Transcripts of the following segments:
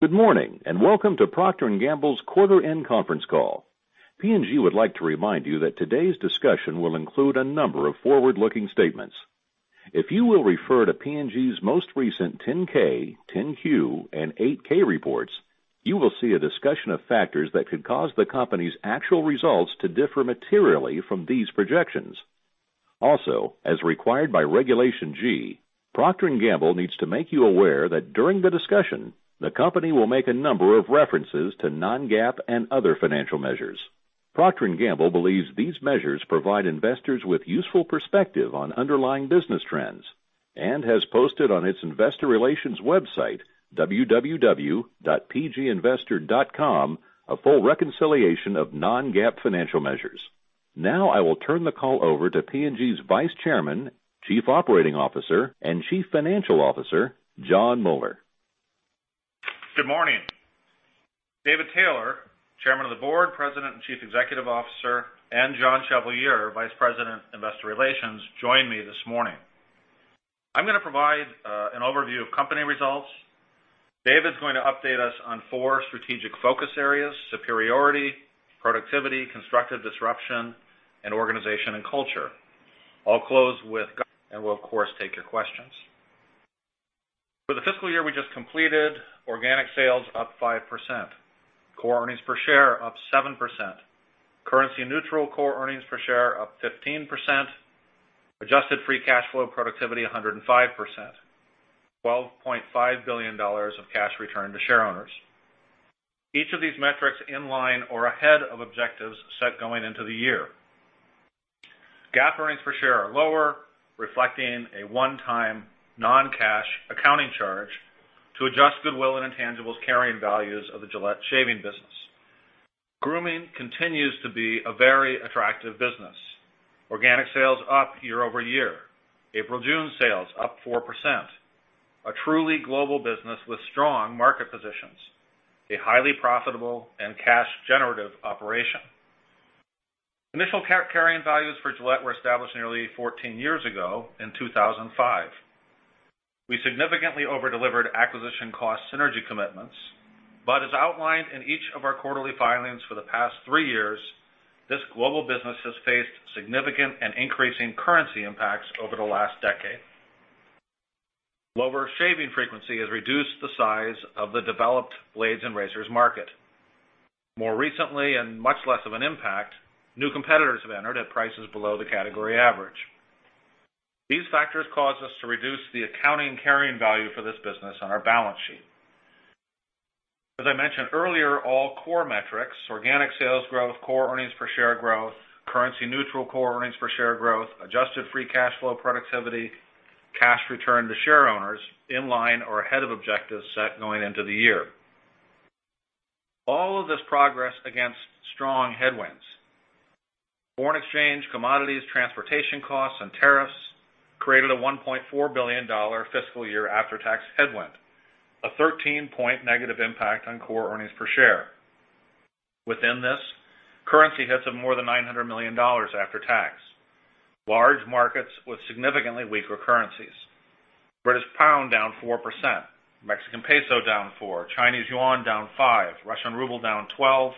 Good morning, welcome to Procter & Gamble's quarter end conference call. P&G would like to remind you that today's discussion will include a number of forward-looking statements. If you will refer to P&G's most recent 10-K, 10-Q, and 8-K reports, you will see a discussion of factors that could cause the company's actual results to differ materially from these projections. As required by Regulation G, Procter & Gamble needs to make you aware that during the discussion, the company will make a number of references to non-GAAP and other financial measures. Procter & Gamble believes these measures provide investors with useful perspective on underlying business trends, and has posted on its investor relations website, www.pginvestor.com, a full reconciliation of non-GAAP financial measures. Now I will turn the call over to P&G's Vice Chairman, Chief Operating Officer, and Chief Financial Officer, Jon Moeller. Good morning. David Taylor, Chairman of the Board, President and Chief Executive Officer, and John Chevalier, Vice President, Investor Relations, join me this morning. I'm going to provide an overview of company results. David's going to update us on four strategic focus areas, superiority, productivity, constructive disruption, and organization and culture. I'll close with, and we'll of course take your questions. For the fiscal year we just completed, organic sales up 5%. Core earnings per share up 7%. Currency neutral core earnings per share up 15%. Adjusted free cash flow productivity, 105%. $12.5 billion of cash returned to shareowners. Each of these metrics in line or ahead of objectives set going into the year. GAAP earnings per share are lower, reflecting a one-time non-cash accounting charge to adjust goodwill and intangibles carrying values of the Gillette shaving business. Grooming continues to be a very attractive business. Organic sales up year-over-year. April-June sales up 4%. A truly global business with strong market positions. A highly profitable and cash generative operation. Initial carrying values for Gillette were established nearly 14 years ago in 2005. We significantly over deliver acquisition cost energy commitment. As outlined in each of our quarterly filings for the past three years, this global business has faced significant and increasing currency impacts over the last decade. Lower shaving frequency has reduced the size of the developed blades and razors market. More recently, much less of an impact, new competitors have entered at prices below the category average. These factors cause us to reduce the accounting carrying value for this business on our balance sheet. As I mentioned earlier, all core metrics, organic sales growth, core earnings per share growth, currency neutral core earnings per share growth, adjusted free cash flow productivity, cash returned to shareowners, in line or ahead of objectives set going into the year. All of this progress against strong headwinds. Foreign exchange, commodities, transportation costs, and tariffs created a $1.4 billion fiscal year after-tax headwind, a 13-point negative impact on core earnings per share. Within this, currency hits of more than $900 million after tax. Large markets with significantly weaker currencies. British pound down 4%, Mexican peso down 4%, Chinese yuan down 5%, Russian ruble down 12%,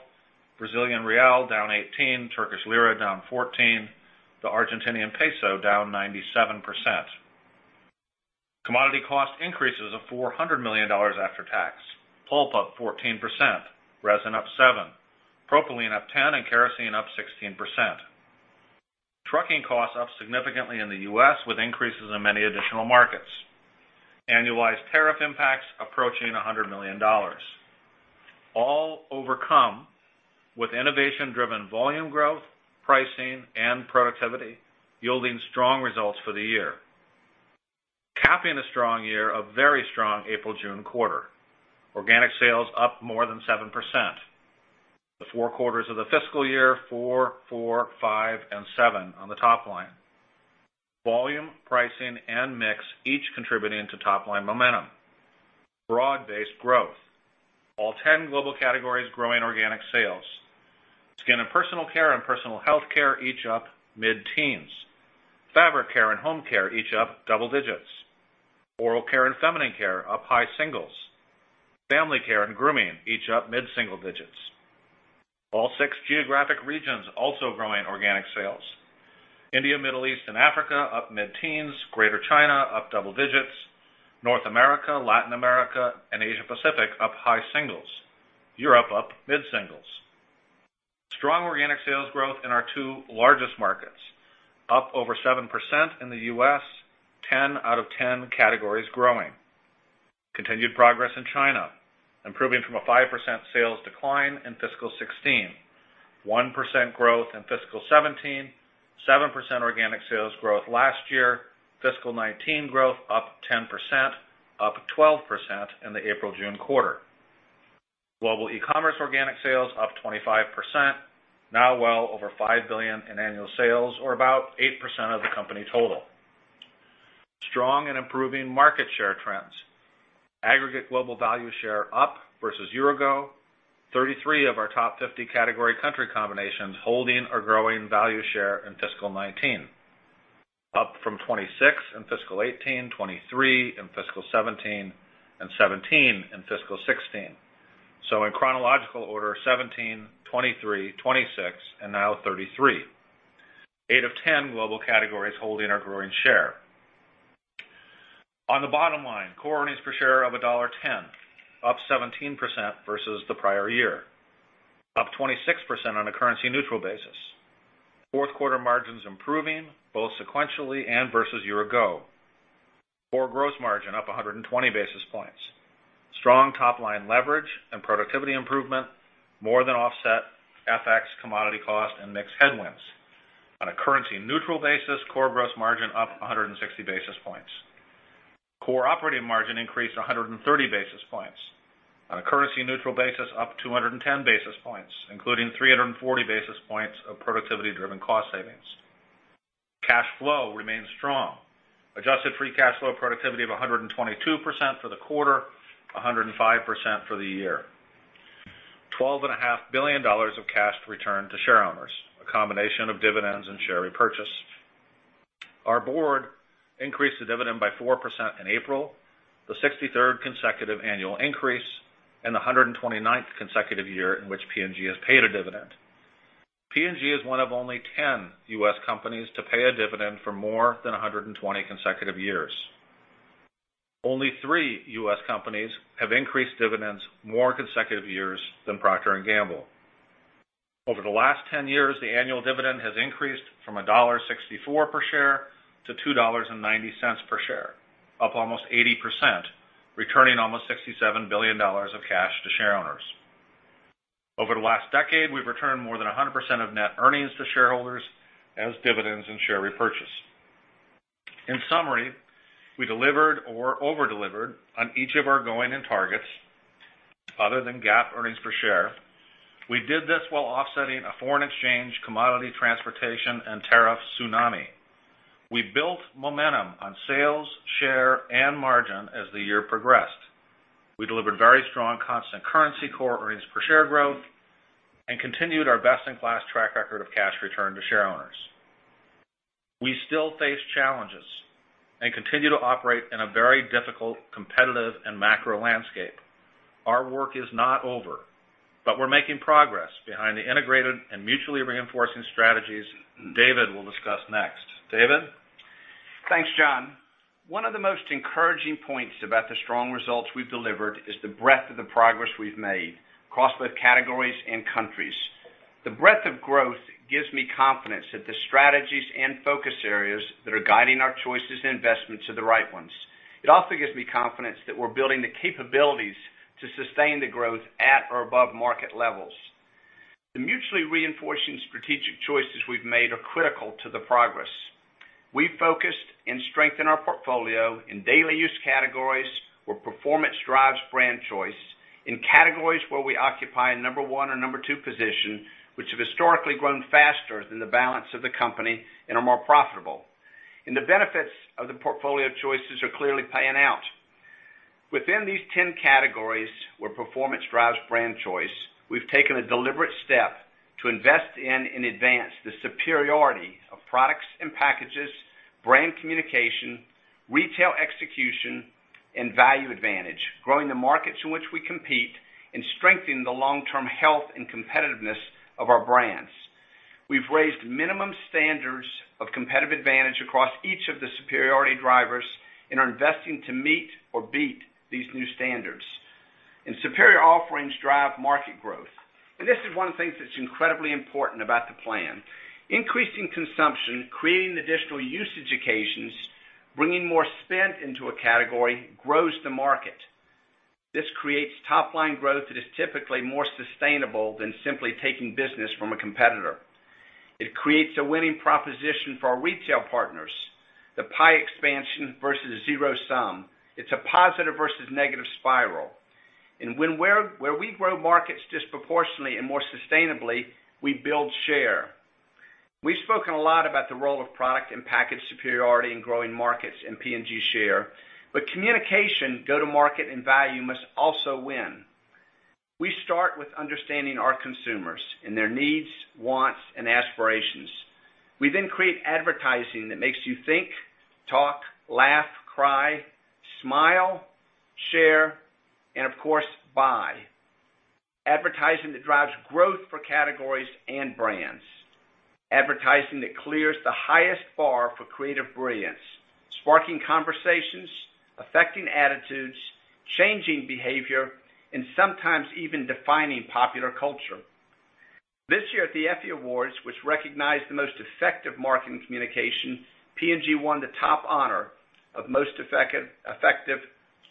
Brazilian real down 18%, Turkish lira down 14%, the Argentinian peso down 97%. Commodity cost increases of $400 million after tax. Pulp up 14%, resin up 7%, propylene up 10%, and kerosene up 16%. Trucking costs up significantly in the U.S., with increases in many additional markets. Annualized tariff impacts approaching $100 million. All overcome with innovation-driven volume growth, pricing, and productivity, yielding strong results for the year. Capping a strong year, a very strong April-June quarter. Organic sales up more than 7%. The four quarters of the fiscal year, 4%, 4%, 5%, and 7% on the top line. Volume, pricing, and mix each contributing to top-line momentum. Broad-based growth. All 10 global categories growing organic sales. Skin and personal care and personal healthcare each up mid-teens. Fabric care and home care each up double digits. Oral care and feminine care up high singles. Family care and grooming each up mid-single digits. All six geographic regions also growing organic sales. India, Middle East, and Africa up mid-teens. Greater China up double digits. North America, Latin America, and Asia-Pacific up high singles. Europe up mid-singles. Strong organic sales growth in our two largest markets, up over 7% in the U.S., 10 out of 10 categories growing. Continued progress in China, improving from a 5% sales decline in fiscal 2016. 1% growth in fiscal 2017, 7% organic sales growth last year, fiscal 2019 growth up 10%, up 12% in the April-June quarter. Global e-commerce organic sales up 25%, now well over $5 billion in annual sales, or about 8% of the company total. Strong and improving market share trends. Aggregate global value share up versus year ago, 33 of our top 50 category country combinations holding or growing value share in fiscal 2019, up from 26 in fiscal 2018, 23 in fiscal 2017, and 17 in fiscal 2016. In chronological order, 17, 23, 26, and now 33. Eight of 10 global categories holding or growing share. On the bottom line, core earnings per share of $1.10, up 17% versus the prior year, up 26% on a currency-neutral basis. Fourth quarter margins improving both sequentially and versus year ago. Core gross margin up 120 basis points. Strong top-line leverage and productivity improvement more than offset FX commodity cost and mix headwinds. On a currency-neutral basis, core gross margin up 160 basis points. Core operating margin increased 130 basis points. On a currency-neutral basis up 210 basis points, including 340 basis points of productivity-driven cost savings. Cash flow remains strong. Adjusted free cash flow productivity of 122% for the quarter, 105% for the year. $12.5 billion of cash returned to shareowners, a combination of dividends and share repurchase. Our board increased the dividend by 4% in April, the 63rd consecutive annual increase, and the 129th consecutive year in which P&G has paid a dividend. P&G is one of only 10 U.S. companies to pay a dividend for more than 120 consecutive years. Only three U.S. companies have increased dividends more consecutive years than Procter & Gamble. Over the last 10 years, the annual dividend has increased from $1.64 per share to $2.90 per share, up almost 80%, returning almost $67 billion of cash to shareowners. Over the last decade, we've returned more than 100% of net earnings to shareholders as dividends and share repurchase. In summary, we delivered or over-delivered on each of our going in targets other than GAAP earnings per share. We did this while offsetting a foreign exchange commodity transportation and tariff tsunami. We built momentum on sales, share, and margin as the year progressed. We delivered very strong constant currency core earnings per share growth and continued our best-in-class track record of cash return to shareowners. We still face challenges and continue to operate in a very difficult competitive and macro landscape. Our work is not over, but we're making progress behind the integrated and mutually reinforcing strategies David will discuss next. David? Thanks, Jon. One of the most encouraging points about the strong results we've delivered is the breadth of the progress we've made across both categories and countries. The breadth of growth gives me confidence that the strategies and focus areas that are guiding our choices and investments are the right ones. It also gives me confidence that we're building the capabilities to sustain the growth at or above market levels. The mutually reinforcing strategic choices we've made are critical to the progress. We focused and strengthened our portfolio in daily use categories where performance drives brand choice, in categories where we occupy a number one or number two position, which have historically grown faster than the balance of the company and are more profitable. The benefits of the portfolio choices are clearly paying out. Within these 10 categories where performance drives brand choice, we've taken a deliberate step to invest in and advance the superiority of products and packages, brand communication, retail execution, and value advantage, growing the markets in which we compete and strengthening the long-term health and competitiveness of our brands. We've raised minimum standards of competitive advantage across each of the superiority drivers and are investing to meet or beat these new standards. Superior offerings drive market growth. This is one of the things that's incredibly important about the plan. Increasing consumption, creating additional usage occasions, bringing more spend into a category grows the market. This creates top-line growth that is typically more sustainable than simply taking business from a competitor. It creates a winning proposition for our retail partners. The pie expansion versus zero-sum, it's a positive versus negative spiral. Where we grow markets disproportionately and more sustainably, we build share. We've spoken a lot about the role of product and package superiority in growing markets and P&G share, but communication, go-to-market, and value must also win. We start with understanding our consumers and their needs, wants, and aspirations. We then create advertising that makes you think, talk, laugh, cry, smile, share, and of course, buy. Advertising that drives growth for categories and brands. Advertising that clears the highest bar for creative brilliance, sparking conversations, affecting attitudes, changing behavior, and sometimes even defining popular culture. This year at the Effie Awards, which recognized the most effective marketing communication, P&G won the top honor of Most Effective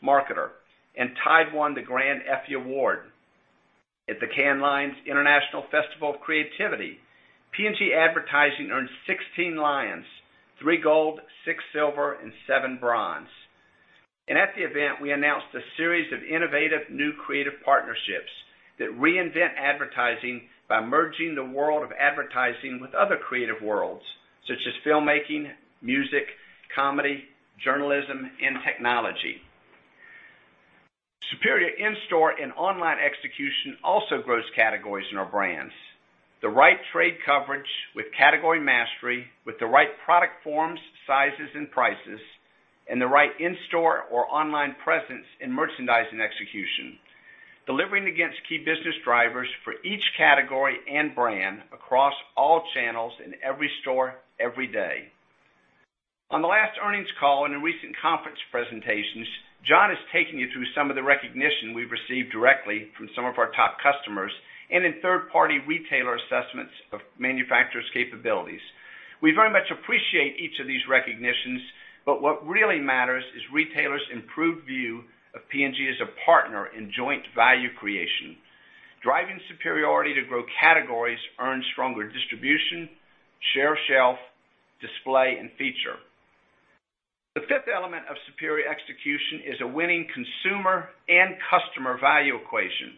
Marketer, and Tide won the Grand Effie Award. At the Cannes Lions International Festival of Creativity, P&G advertising earned 16 Lions, three gold, six silver, and seven bronze. At the event, we announced a series of innovative new creative partnerships that reinvent advertising by merging the world of advertising with other creative worlds, such as filmmaking, music, comedy, journalism, and technology. Superior in-store and online execution also grows categories in our brands. The right trade coverage with category mastery, with the right product forms, sizes, and prices, and the right in-store or online presence in merchandising execution, delivering against key business drivers for each category and brand across all channels in every store, every day. On the last earnings call and in recent conference presentations, Jon has taken you through some of the recognition we've received directly from some of our top customers and in third-party retailer assessments of manufacturers' capabilities. We very much appreciate each of these recognitions, what really matters is retailers' improved view of P&G as a partner in joint value creation. Driving superiority to grow categories, earn stronger distribution, share shelf, display, and feature. The fifth element of superior execution is a winning consumer and customer value equation.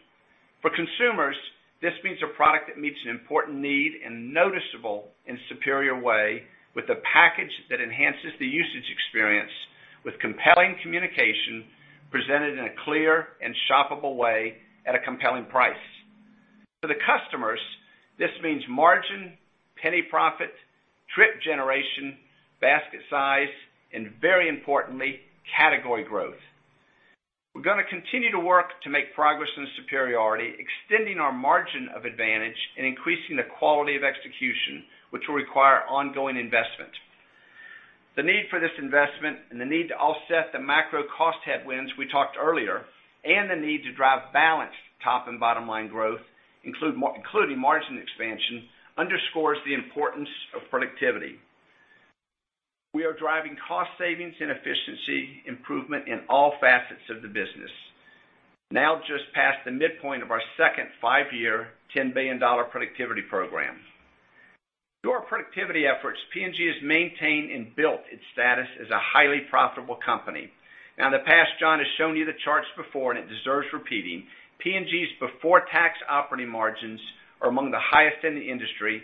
For consumers, this means a product that meets an important need and noticeable in a superior way with a package that enhances the usage experience with compelling communication presented in a clear and shoppable way at a compelling price. For the customers, this means margin, penny profit, trip generation, basket size, and very importantly, category growth. We're going to continue to work to make progress in superiority, extending our margin of advantage and increasing the quality of execution, which will require ongoing investment. The need for this investment and the need to offset the macro cost headwinds we talked earlier, and the need to drive balanced top and bottom line growth, including margin expansion, underscores the importance of productivity. We are driving cost savings and efficiency improvement in all facets of the business. Now just past the midpoint of our second five-year, $10 billion productivity program. Through our productivity efforts, P&G has maintained and built its status as a highly profitable company. Now, in the past, Jon has shown you the charts before and it deserves repeating. P&G's before-tax operating margins are among the highest in the industry,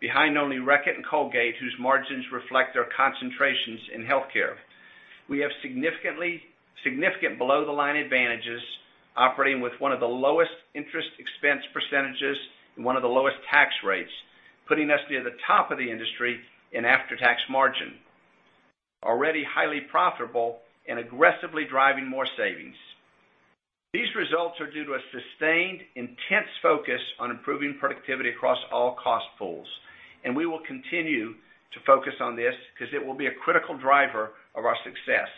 behind only Reckitt and Colgate, whose margins reflect their concentrations in healthcare. We have significant below-the-line advantages, operating with one of the lowest interest expense percentages and one of the lowest tax rates, putting us near the top of the industry in after-tax margin. Already highly profitable and aggressively driving more savings. These results are due to a sustained, intense focus on improving productivity across all cost pools, and we will continue to focus on this because it will be a critical driver of our success.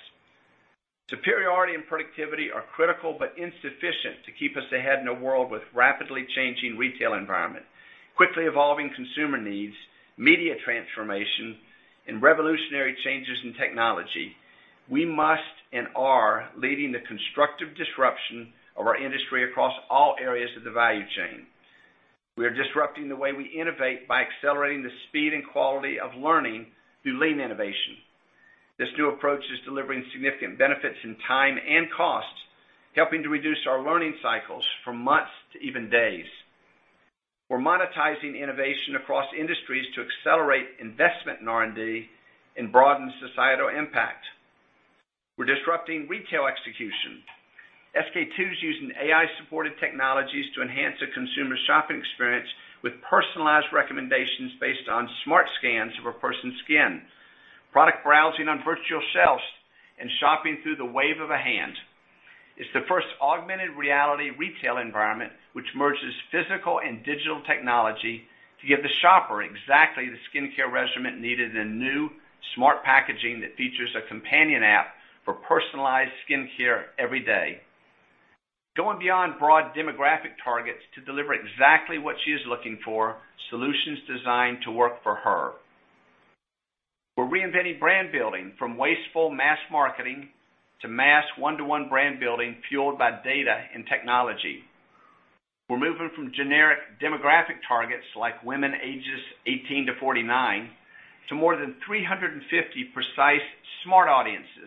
Superiority and productivity are critical but insufficient to keep us ahead in a world with rapidly changing retail environment, quickly evolving consumer needs, media transformation, and revolutionary changes in technology. We must and are leading the constructive disruption of our industry across all areas of the value chain. We are disrupting the way we innovate by accelerating the speed and quality of learning through lean innovation. This new approach is delivering significant benefits in time and cost, helping to reduce our learning cycles from months to even days. We're monetizing innovation across industries to accelerate investment in R&D and broaden societal impact. We're disrupting retail execution. SK-II is using AI-supported technologies to enhance the consumer shopping experience with personalized recommendations based on smart scans of a person's skin, product browsing on virtual shelves, and shopping through the wave of a hand. It's the first augmented reality retail environment, which merges physical and digital technology to give the shopper exactly the skincare regimen needed in new smart packaging that features a companion app for personalized skincare every day. Going beyond broad demographic targets to deliver exactly what she is looking for, solutions designed to work for her. We're reinventing brand building from wasteful mass marketing to mass one-to-one brand building fueled by data and technology. We're moving from generic demographic targets like women ages 18 to 49, to more than 350 precise smart audiences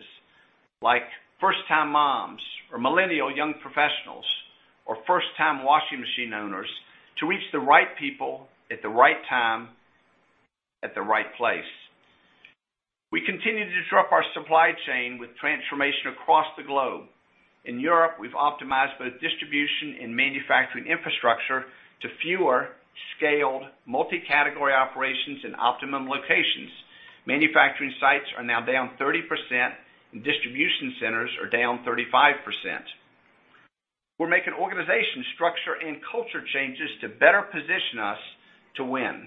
like first-time moms or millennial young professionals or first-time washing machine owners to reach the right people at the right time, at the right place. We continue to disrupt our supply chain with transformation across the globe. In Europe, we've optimized both distribution and manufacturing infrastructure to fewer scaled multi-category operations in optimum locations. Manufacturing sites are now down 30% and distribution centers are down 35%. We're making organization structure and culture changes to better position us to win.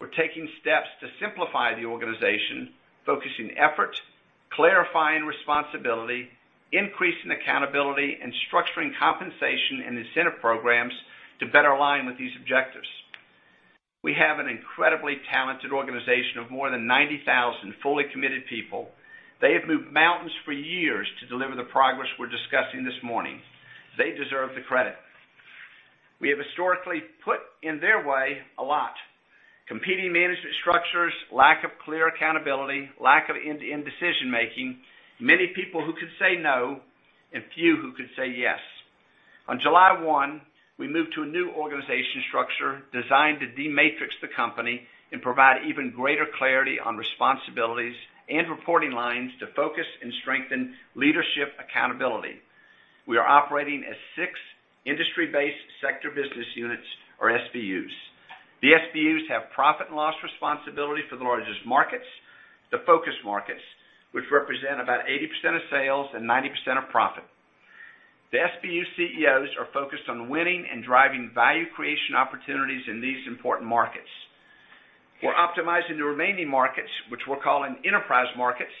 We're taking steps to simplify the organization, focusing effort, clarifying responsibility, increasing accountability, and structuring compensation and incentive programs to better align with these objectives. We have an incredibly talented organization of more than 90,000 fully committed people. They have moved mountains for years to deliver the progress we're discussing this morning. They deserve the credit. We have historically put in their way a lot. Competing management structures, lack of clear accountability, lack of end-to-end decision-making, many people who could say no, and few who could say yes. On July 1, we moved to a new organization structure designed to de-matrix the company and provide even greater clarity on responsibilities and reporting lines to focus and strengthen leadership accountability. We are operating as six industry-based Sector Business Units, or SBUs. The SBUs have profit and loss responsibility for the largest markets, the focus markets, which represent about 80% of sales and 90% of profit. The SBU CEOs are focused on winning and driving value creation opportunities in these important markets. We're optimizing the remaining markets, which we're calling enterprise markets,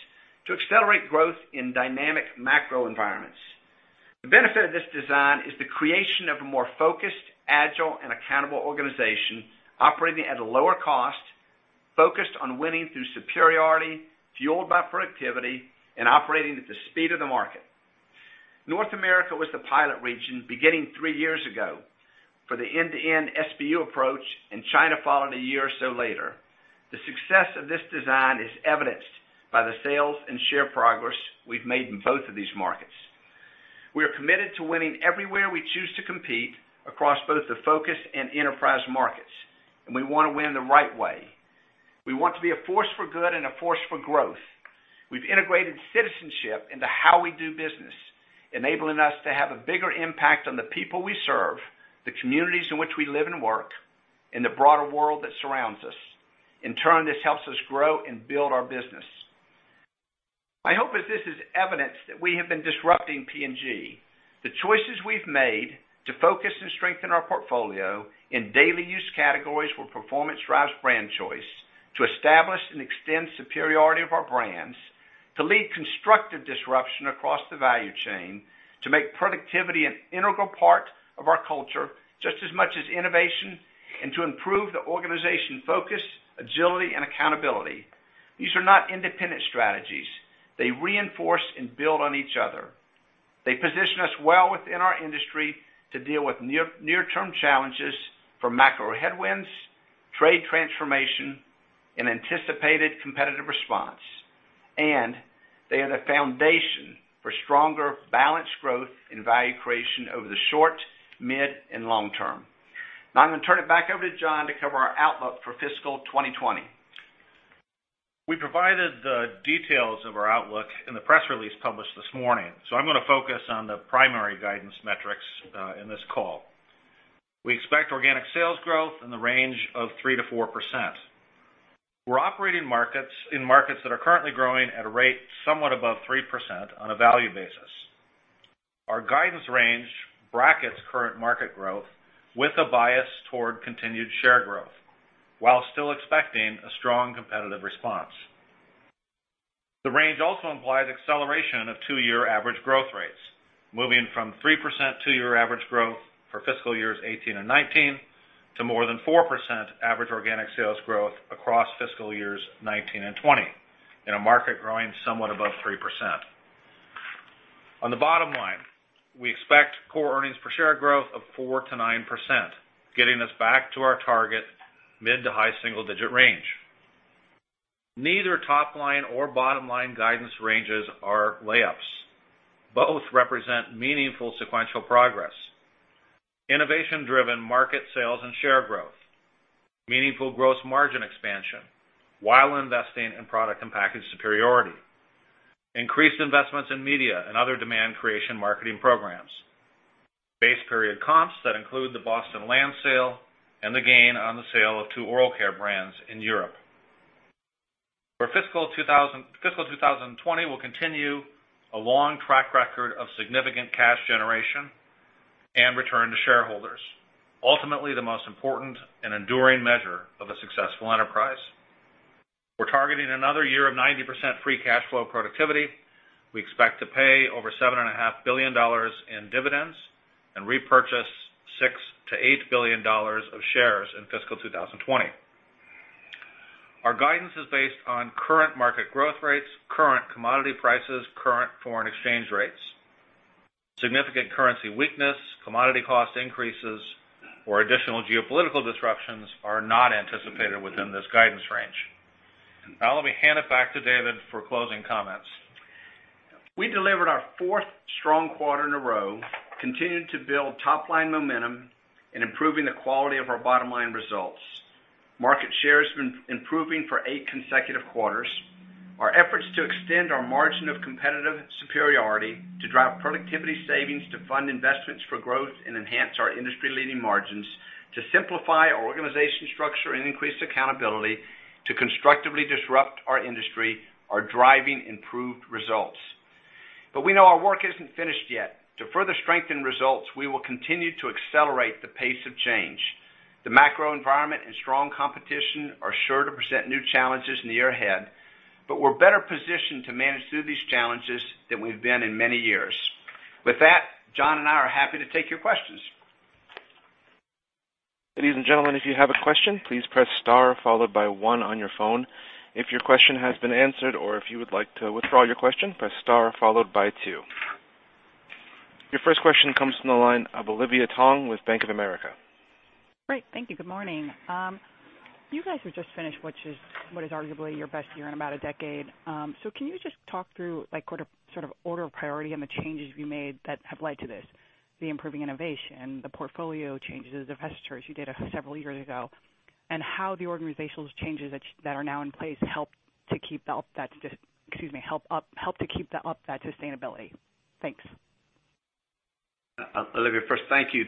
to accelerate growth in dynamic macro environments. The benefit of this design is the creation of a more focused, agile, and accountable organization operating at a lower cost, focused on winning through superiority, fueled by productivity, and operating at the speed of the market. North America was the pilot region beginning three years ago for the end-to-end SBU approach. China followed a year or so later. The success of this design is evidenced by the sales and share progress we've made in both of these markets. We are committed to winning everywhere we choose to compete across both the focus and enterprise markets. We want to win the right way. We want to be a force for good and a force for growth. We've integrated citizenship into how we do business, enabling us to have a bigger impact on the people we serve, the communities in which we live and work, and the broader world that surrounds us. In turn, this helps us grow and build our business. My hope is this is evidence that we have been disrupting P&G. The choices we've made to focus and strengthen our portfolio in daily use categories where performance drives brand choice, to establish and extend superiority of our brands, to lead constructive disruption across the value chain, to make productivity an integral part of our culture, just as much as innovation, and to improve the organization focus, agility, and accountability. These are not independent strategies. They reinforce and build on each other. They position us well within our industry to deal with near-term challenges from macro headwinds, trade transformation, and anticipated competitive response. They are the foundation for stronger, balanced growth and value creation over the short, mid, and long term. Now I'm going to turn it back over to Jon to cover our outlook for fiscal 2020. We provided the details of our outlook in the press release published this morning. I'm going to focus on the primary guidance metrics in this call. We expect organic sales growth in the range of 3% to 4%. We're operating in markets that are currently growing at a rate somewhat above 3% on a value basis. Our guidance range brackets current market growth with a bias toward continued share growth while still expecting a strong competitive response. The range also implies acceleration of two-year average growth rates, moving from 3% two-year average growth for fiscal years 2018 and 2019 to more than 4% average organic sales growth across fiscal years 2019 and 2020 in a market growing somewhat above 3%. On the bottom line, we expect core earnings per share growth of 4% to 9%, getting us back to our target mid to high single-digit range. Neither top-line or bottom-line guidance ranges are layups. Both represent meaningful sequential progress, innovation-driven market sales and share growth, meaningful gross margin expansion while investing in product and package superiority, increased investments in media and other demand creation marketing programs, base period comps that include the Boston land sale and the gain on the sale of two oral care brands in Europe. For fiscal 2020, we'll continue a long track record of significant cash generation and return to shareholders, ultimately the most important and enduring measure of a successful enterprise. We're targeting another year of 90% free cash flow productivity. We expect to pay over $7.5 billion in dividends and repurchase $6 billion-$8 billion of shares in fiscal 2020. Our guidance is based on current market growth rates, current commodity prices, current foreign exchange rates. Significant currency weakness, commodity cost increases, or additional geopolitical disruptions are not anticipated within this guidance range. Now let me hand it back to David for closing comments. We delivered our fourth strong quarter in a row, continuing to build top-line momentum and improving the quality of our bottom-line results. Market share has been improving for eight consecutive quarters. Our efforts to extend our margin of competitive superiority to drive productivity savings, to fund investments for growth, and enhance our industry-leading margins, to simplify our organization structure and increase accountability, to constructively disrupt our industry are driving improved results. We know our work isn't finished yet. To further strengthen results, we will continue to accelerate the pace of change. The macro environment and strong competition are sure to present new challenges in the year ahead, we're better positioned to manage through these challenges than we've been in many years. With that, Jon and I are happy to take your questions. Ladies and gentlemen, if you have a question, please press star followed by one on your phone. If your question has been answered or if you would like to withdraw your question, press star followed by two. Your first question comes from the line of Olivia Tong with Bank of America. Great. Thank you. Good morning. You guys have just finished what is arguably your best year in about a decade. Can you just talk through sort of order of priority and the changes you made that have led to this, the improving innovation, the portfolio changes, the divestitures you did several years ago, and how the organizational changes that are now in place help to keep up that sustainability. Thanks. Olivia, first, thank you.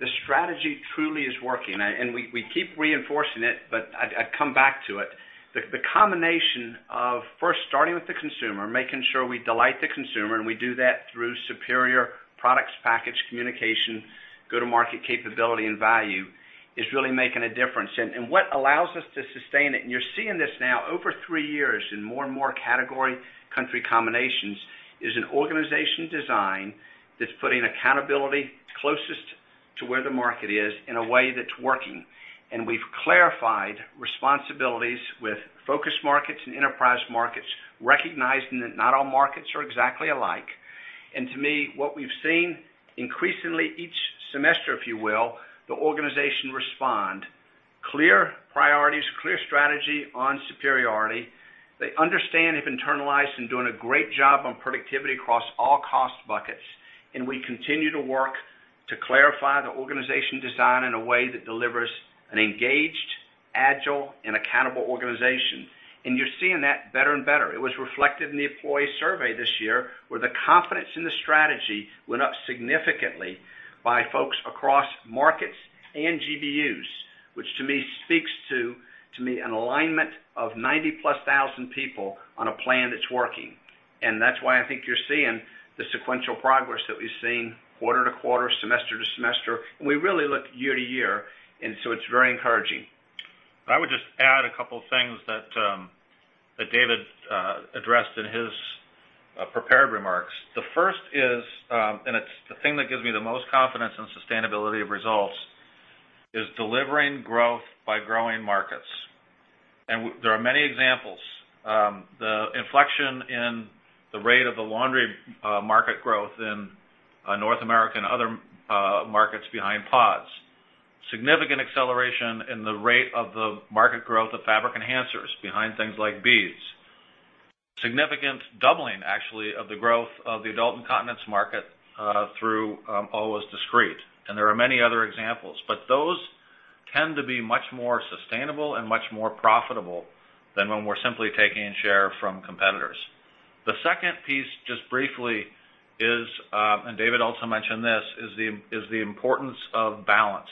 The strategy truly is working, and we keep reinforcing it, but I'd come back to it. The combination of first starting with the consumer, making sure we delight the consumer, and we do that through superior products, package communication, go-to-market capability, and value, is really making a difference. What allows us to sustain it, and you're seeing this now over three years in more and more category country combinations, is an organization design that's putting accountability closest to where the market is in a way that's working. We've clarified responsibilities with focus markets and enterprise markets, recognizing that not all markets are exactly alike. To me, what we've seen increasingly each semester, if you will, the organization respond, clear priorities, clear strategy on superiority. They understand, have internalized, and doing a great job on productivity across all cost buckets. We continue to work to clarify the organization design in a way that delivers an engaged, agile, and accountable organization. You're seeing that better and better. It was reflected in the employee survey this year, where the confidence in the strategy went up significantly by folks across markets and GBUs, which to me speaks to an alignment of 90-plus thousand people on a plan that's working. That's why I think you're seeing the sequential progress that we've seen quarter to quarter, semester to semester. We really look year to year, and so it's very encouraging. I would just add a couple things that David addressed in his prepared remarks. The first is, it's the thing that gives me the most confidence in sustainability of results, is delivering growth by growing markets. There are many examples. The inflection in the rate of the laundry market growth in North America and other markets behind Tide PODS. Significant acceleration in the rate of the market growth of fabric enhancers behind things like Downy Beads. Significant doubling, actually, of the growth of the adult incontinence market through Always Discreet. There are many other examples. Those tend to be much more sustainable and much more profitable than when we're simply taking share from competitors. The second piece, just briefly is, and David also mentioned this, is the importance of balance.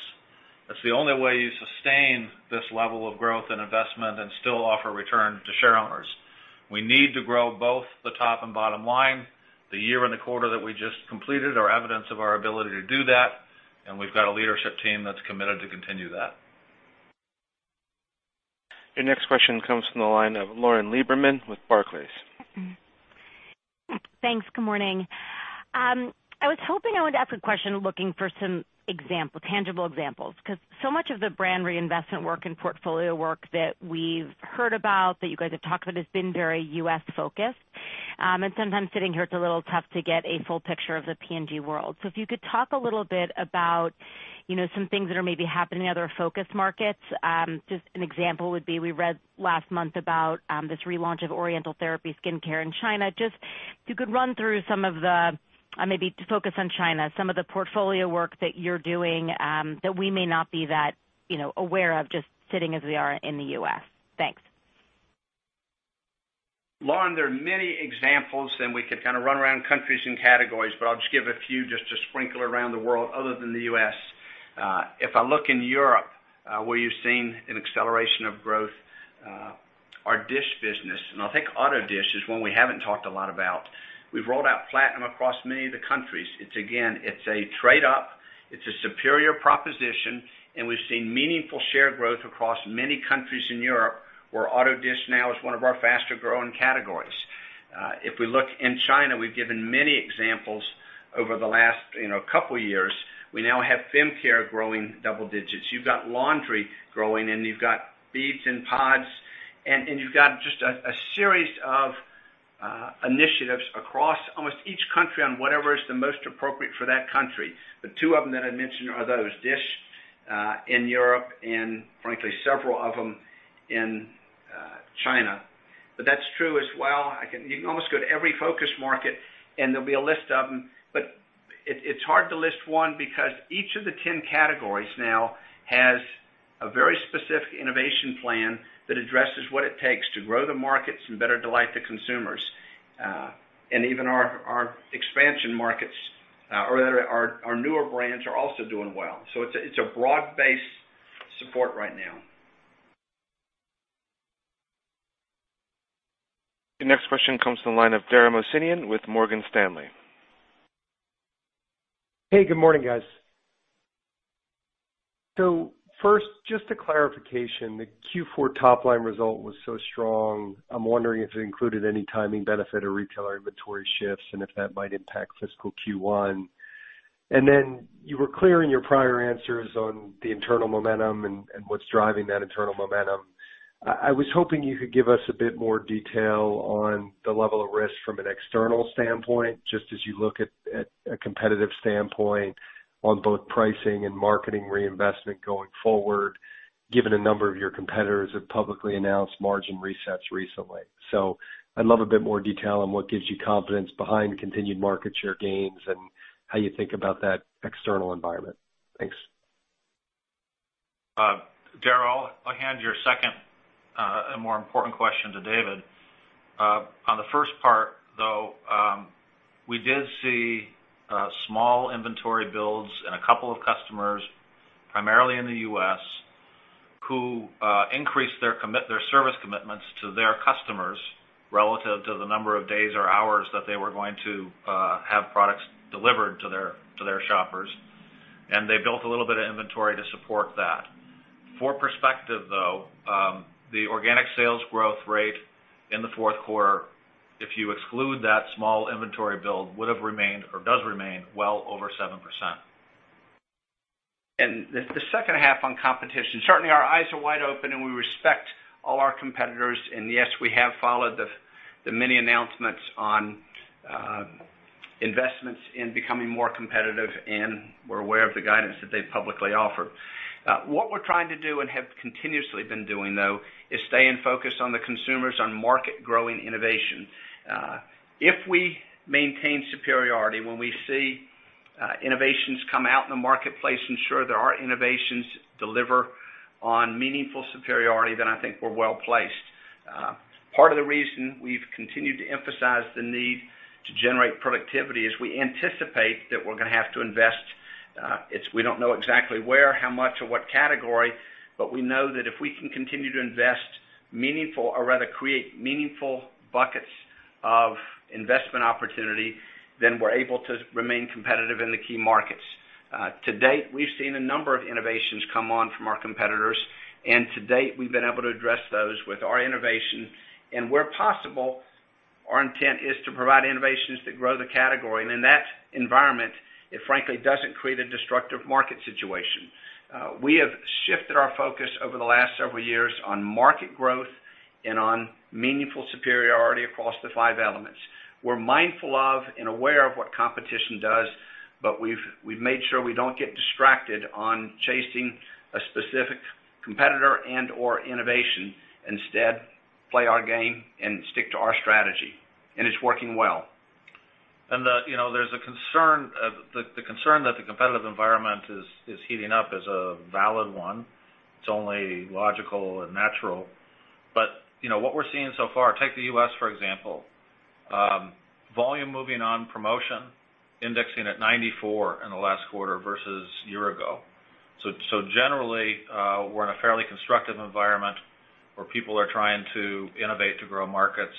That's the only way you sustain this level of growth and investment and still offer return to shareowners. We need to grow both the top and bottom line. The year and the quarter that we just completed are evidence of our ability to do that, and we've got a leadership team that's committed to continue that. Your next question comes from the line of Lauren Lieberman with Barclays. Thanks. Good morning. I was hoping I would ask a question looking for some tangible examples. So much of the brand reinvestment work and portfolio work that we've heard about, that you guys have talked about, has been very U.S.-focused. Sometimes sitting here, it's a little tough to get a full picture of the P&G world. If you could talk a little bit about some things that are maybe happening in other focus markets. Just an example would be, we read last month about this relaunch of Oriental Therapy skincare in China. Just if you could run through some of the, maybe to focus on China, some of the portfolio work that you're doing that we may not be that aware of just sitting as we are in the U.S. Thanks. Lauren, there are many examples. We could kind of run around countries and categories, but I'll just give a few just to sprinkle around the world other than the U.S. If I look in Europe, where you've seen an acceleration of growth, our dish business. I think auto dish is one we haven't talked a lot about. We've rolled out Platinum across many of the countries. Again, it's a trade up, it's a superior proposition. We've seen meaningful share growth across many countries in Europe, where auto dish now is one of our faster-growing categories. If we look in China, we've given many examples over the last couple of years. We now have Fem Care growing double digits. You've got laundry growing, you've got beads and PODS, you've got just a series of initiatives across almost each country on whatever is the most appropriate for that country. The two of them that I mentioned are those, dish in Europe and frankly, several of them in China. That's true as well. You can almost go to every focus market, and there'll be a list of them. It's hard to list one because each of the 10 categories now has a very specific innovation plan that addresses what it takes to grow the markets and better delight the consumers. Even our expansion markets or our newer brands are also doing well. It's a broad-based support right now. Your next question comes from the line of Dara Mohsenian with Morgan Stanley. Hey, good morning, guys. First, just a clarification. The Q4 top-line result was so strong, I'm wondering if it included any timing benefit or retailer inventory shifts, and if that might impact fiscal Q1. You were clear in your prior answers on the internal momentum and what's driving that internal momentum. I was hoping you could give us a bit more detail on the level of risk from an external standpoint, just as you look at a competitive standpoint on both pricing and marketing reinvestment going forward, given a number of your competitors have publicly announced margin resets recently. I'd love a bit more detail on what gives you confidence behind continued market share gains and how you think about that external environment. Thanks. Dara, I'll hand your second, more important question to David. On the first part, though, we did see small inventory builds in a couple of customers, primarily in the U.S., who increased their service commitments to their customers relative to the number of days or hours that they were going to have products delivered to their shoppers. They built a little bit of inventory to support that. For perspective, though, the organic sales growth rate in the fourth quarter, if you exclude that small inventory build, would have remained or does remain well over 7%. The second half on competition, certainly our eyes are wide open and we respect all our competitors. Yes, we have followed the many announcements on investments in becoming more competitive, and we're aware of the guidance that they've publicly offered. What we're trying to do and have continuously been doing, though, is staying focused on the consumers, on market-growing innovation. If we maintain superiority when we see innovations come out in the marketplace, ensure that our innovations deliver on meaningful superiority, then I think we're well-placed. Part of the reason we've continued to emphasize the need to generate productivity is we anticipate that we're going to have to invest. We don't know exactly where, how much, or what category, but we know that if we can continue to create meaningful buckets of investment opportunity, then we're able to remain competitive in the key markets. To date, we've seen a number of innovations come on from our competitors, and to date, we've been able to address those with our innovation. Where possible, our intent is to provide innovations that grow the category. In that environment, it frankly doesn't create a destructive market situation. We have shifted our focus over the last several years on market growth and on meaningful superiority across the five elements. We're mindful of and aware of what competition does, but we've made sure we don't get distracted on chasing a specific competitor and/or innovation. Instead, play our game and stick to our strategy, and it's working well. The concern that the competitive environment is heating up is a valid one. It's only logical and natural. What we're seeing so far, take the U.S., for example, volume moving on promotion, indexing at 94 in the last quarter versus a year ago. Generally, we're in a fairly constructive environment where people are trying to innovate to grow markets,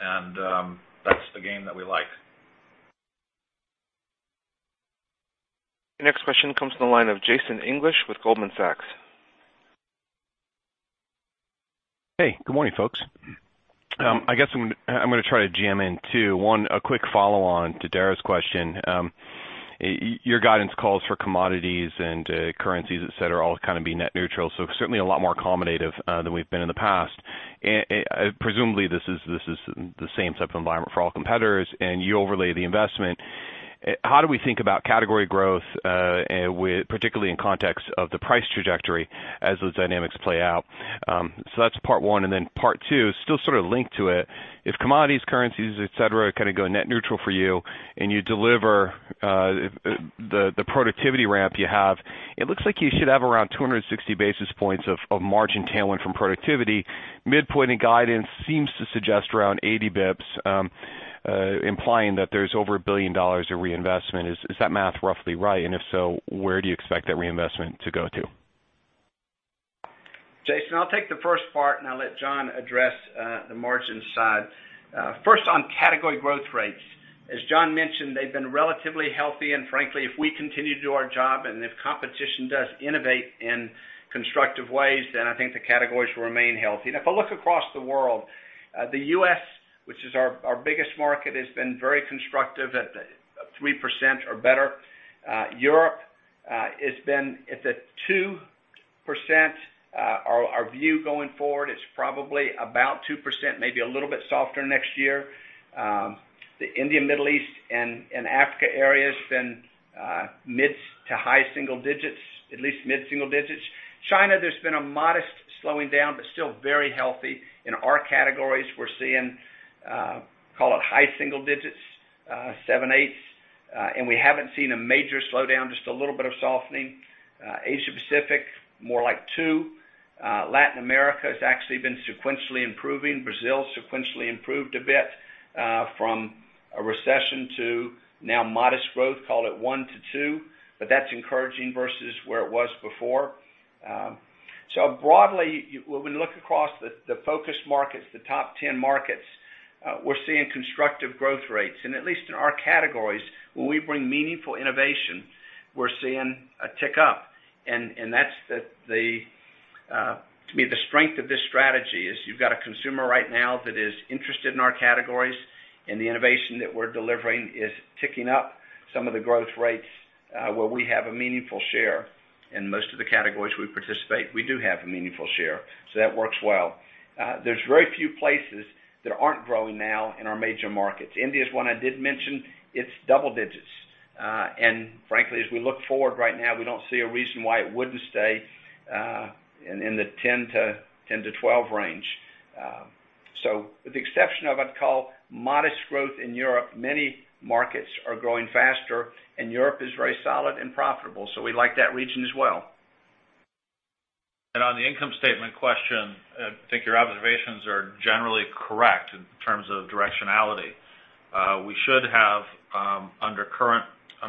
and that's the game that we like. The next question comes to the line of Jason English with Goldman Sachs. Hey, good morning, folks. I guess I'm going to try to jam in two. One, a quick follow-on to Dara's question. Your guidance calls for commodities and currencies, et cetera, all kind of being net neutral. Certainly a lot more accommodative than we've been in the past. Presumably, this is the same type of environment for all competitors, and you overlay the investment. How do we think about category growth, particularly in context of the price trajectory as those dynamics play out? That's part one. Part two, still sort of linked to it. If commodities, currencies, et cetera, kind of go net neutral for you and you deliver the productivity ramp you have, it looks like you should have around 260 basis points of margin tailwind from productivity. Mid-pointing guidance seems to suggest around 80 basis points, implying that there's over $1 billion of reinvestment. Is that math roughly right? If so, where do you expect that reinvestment to go to? Jason, I'll take the first part, and I'll let Jon address the margin side. First, on category growth rates. As Jon mentioned, they've been relatively healthy. Frankly, if we continue to do our job and if competition does innovate in constructive ways, then I think the categories will remain healthy. If I look across the world, the U.S., which is our biggest market, has been very constructive at 3% or better. Europe is at 2%. Our view going forward, it's probably about 2%, maybe a little bit softer next year. The India, Middle East, and Africa area has been mid to high single digits, at least mid-single digits. China, there's been a modest slowing down, but still very healthy. In our categories, we're seeing, call it high single digits, seven, eight, and we haven't seen a major slowdown, just a little bit of softening. Asia-Pacific, more like 2%. Latin America has actually been sequentially improving. Brazil sequentially improved a bit from a recession to now modest growth, call it 1% to 2%, but that's encouraging versus where it was before. Broadly, when we look across the focus markets, the top 10 markets, we're seeing constructive growth rates. At least in our categories, when we bring meaningful innovation, we're seeing a tick up. That's, to me, the strength of this strategy. You've got a consumer right now that is interested in our categories, and the innovation that we're delivering is ticking up some of the growth rates, where we have a meaningful share. In most of the categories we participate, we do have a meaningful share, so that works well. There's very few places that aren't growing now in our major markets. India is one I did mention. It's double digits. Frankly, as we look forward right now, we don't see a reason why it wouldn't stay in the 10-12 range. With the exception of, I'd call modest growth in Europe, many markets are growing faster, and Europe is very solid and profitable, we like that region as well. On the income statement question, I think your observations are generally correct in terms of directionality. We should have under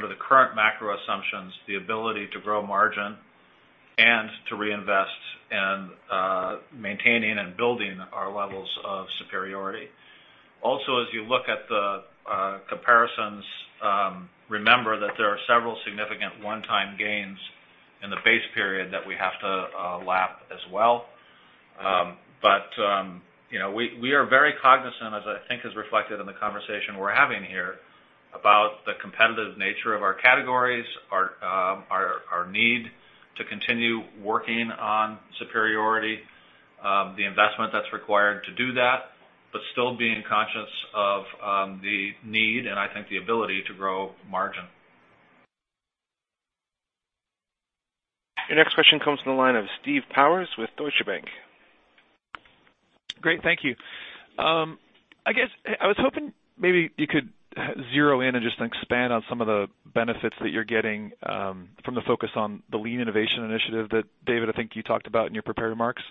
the current macro assumptions, the ability to grow margin and to reinvest in maintaining and building our levels of superiority. As you look at the comparisons, remember that there are several significant one-time gains in the base period that we have to lap as well. We are very cognizant, as I think is reflected in the conversation we're having here, about the competitive nature of our categories, our need to continue working on superiority, the investment that's required to do that, but still being conscious of the need and I think the ability to grow margin. Your next question comes from the line of Steve Powers with Deutsche Bank. Great. Thank you. I was hoping maybe you could zero in and just expand on some of the benefits that you're getting from the focus on the Lean Innovation initiative that, David, I think you talked about in your prepared remarks.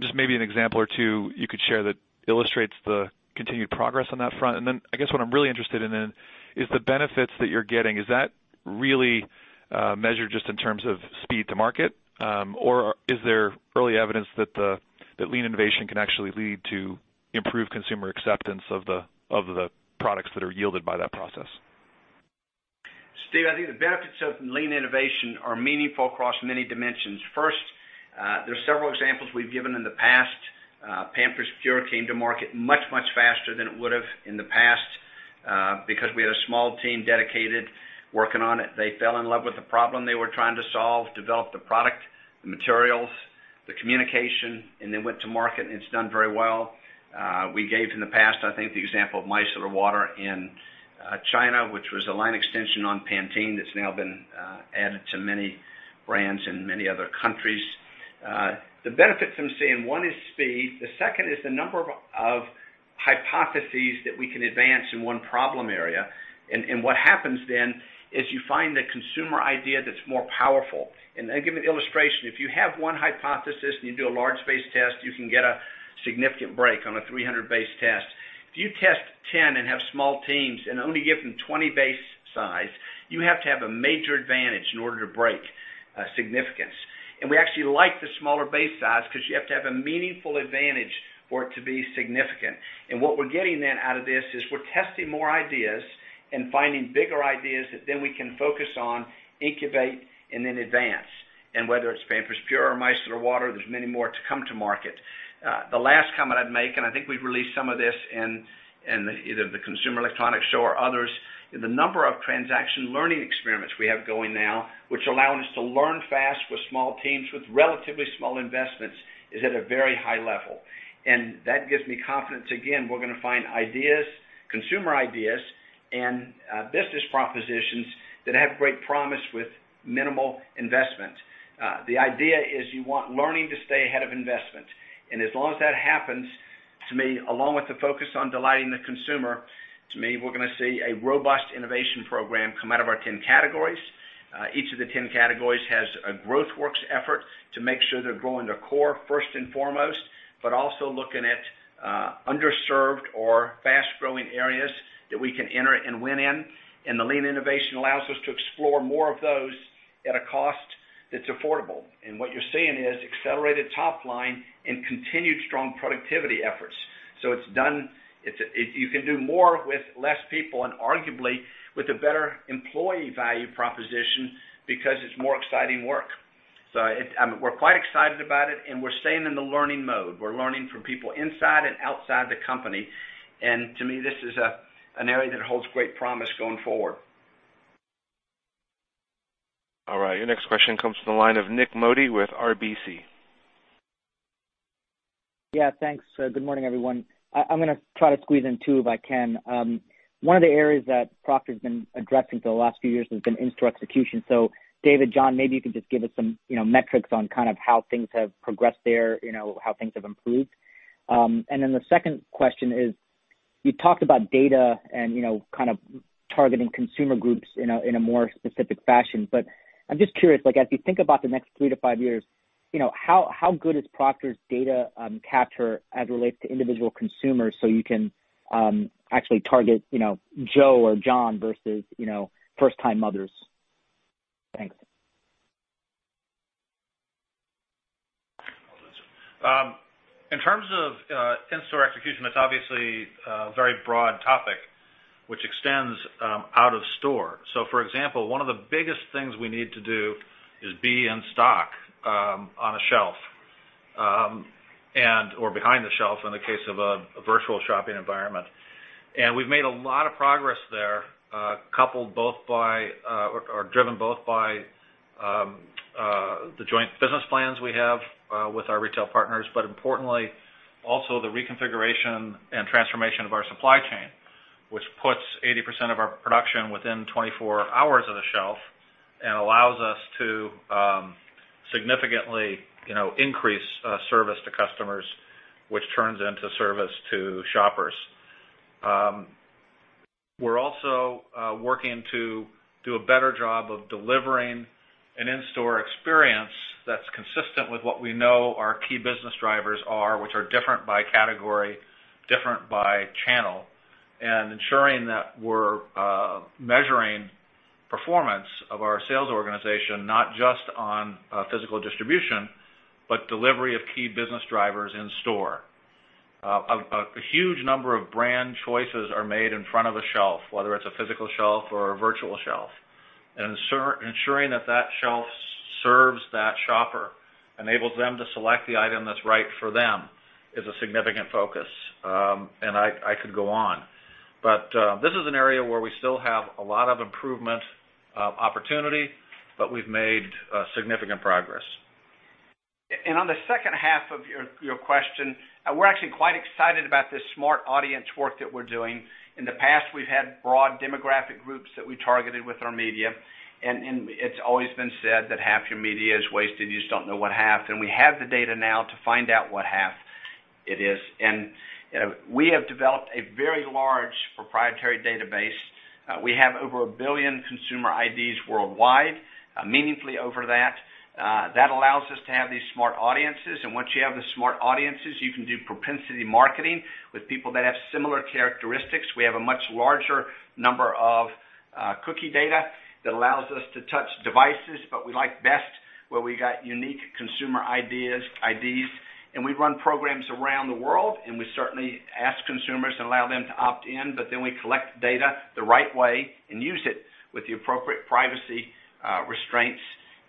Just maybe an example or two you could share that illustrates the continued progress on that front. I guess what I'm really interested in then is the benefits that you're getting. Is that really measured just in terms of speed to market? Or is there early evidence that Lean Innovation can actually lead to improved consumer acceptance of the products that are yielded by that process? Steve, I think the benefits of Lean Innovation are meaningful across many dimensions. First, there's several examples we've given in the past. Pampers Pure came to market much, much faster than it would have in the past, because we had a small team dedicated working on it. They fell in love with the problem they were trying to solve, developed the product, the materials, the communication, and then went to market, and it's done very well. We gave in the past, I think, the example of micellar water in China, which was a line extension on Pantene that's now been added to many brands in many other countries. The benefits I'm seeing, one is speed, the second is the number of hypotheses that we can advance in one problem area. What happens then is you find the consumer idea that's more powerful. I'll give you an illustration. If you have one hypothesis, and you do a large base test, you can get a significant break on a 300 base test. If you test 10 and have small teams and only give them 20 base size, you have to have a major advantage in order to break significance. We actually like the smaller base size because you have to have a meaningful advantage for it to be significant. What we're getting then out of this is we're testing more ideas and finding bigger ideas that then we can focus on, incubate, and then advance. Whether it's Pampers Pure or micellar water, there's many more to come to market. The last comment I'd make, and I think we've released some of this in either the Consumer Electronics Show or others, the number of transaction learning experiments we have going now, which are allowing us to learn fast with small teams with relatively small investments, is at a very high level. That gives me confidence, again, we're going to find ideas, consumer ideas, and business propositions that have great promise with minimal investment. The idea is you want learning to stay ahead of investment. As long as that happens, to me, along with the focus on delighting the consumer, to me, we're going to see a robust innovation program come out of our 10 categories. Each of the 10 categories has a Growth Works effort to make sure they're growing their core first and foremost, but also looking at underserved or fast-growing areas that we can enter and win in. The Lean Innovation allows us to explore more of those at a cost that's affordable. What you're seeing is accelerated top line and continued strong productivity efforts. You can do more with less people and arguably with a better employee value proposition because it's more exciting work. We're quite excited about it, and we're staying in the learning mode. We're learning from people inside and outside the company. To me, this is an area that holds great promise going forward. All right, your next question comes from the line of Nik Modi with RBC. Yeah, thanks. Good morning, everyone. I'm going to try to squeeze in two if I can. One of the areas that Procter has been addressing for the last few years has been in-store execution. David, Jon, maybe you can just give us some metrics on how things have progressed there, how things have improved. The second question is, you talked about data and targeting consumer groups in a more specific fashion. I'm just curious, as you think about the next three to five years, how good is Procter's data capture as it relates to individual consumers so you can actually target Joe or John versus first-time mothers? Thanks. In-store execution is obviously a very broad topic, which extends out of store. For example, one of the biggest things we need to do is be in stock on a shelf, or behind the shelf in the case of a virtual shopping environment. We've made a lot of progress there, driven both by the joint business plans we have with our retail partners, importantly, also the reconfiguration and transformation of our supply chain, which puts 80% of our production within 24 hours of the shelf and allows us to significantly increase service to customers, which turns into service to shoppers. We're also working to do a better job of delivering an in-store experience that's consistent with what we know our key business drivers are, which are different by category, different by channel, and ensuring that we're measuring performance of our sales organization, not just on physical distribution, but delivery of key business drivers in store. A huge number of brand choices are made in front of a shelf, whether it's a physical shelf or a virtual shelf. Ensuring that that shelf serves that shopper, enables them to select the item that's right for them, is a significant focus. I could go on. This is an area where we still have a lot of improvement opportunity, but we've made significant progress. On the second half of your question, we're actually quite excited about this smart audience work that we're doing. In the past, we've had broad demographic groups that we targeted with our media, and it's always been said that half your media is wasted, you just don't know what half. We have the data now to find out what half it is. We have developed a very large proprietary database. We have over 1 billion consumer IDs worldwide, meaningfully over that. That allows us to have these smart audiences. Once you have the smart audiences, you can do propensity marketing with people that have similar characteristics. We have a much larger number of cookie data that allows us to touch devices, but we like best where we got unique consumer IDs. We run programs around the world, and we certainly ask consumers and allow them to opt in, but then we collect data the right way and use it with the appropriate privacy restraints.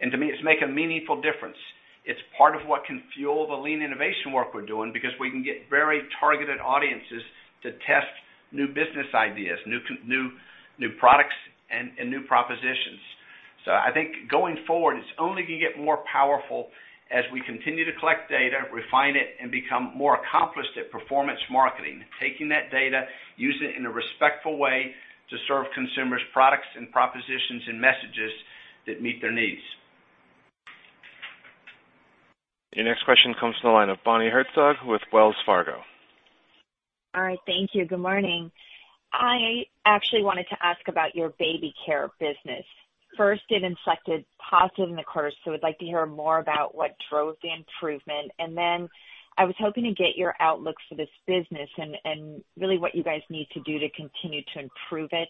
To me, it's making a meaningful difference. It's part of what can fuel the Lean Innovation work we're doing because we can get very targeted audiences to test new business ideas, new products, and new propositions. I think going forward, it's only going to get more powerful as we continue to collect data, refine it, and become more accomplished at performance marketing. We take that data, use it in a respectful way to serve consumers products and propositions and messages that meet their needs. Your next question comes from the line of Bonnie Herzog with Wells Fargo. All right. Thank you. Good morning. I actually wanted to ask about your Baby Care business. First, it inflected positive in the quarter, so I would like to hear more about what drove the improvement. I was hoping to get your outlook for this business and really what you guys need to do to continue to improve it.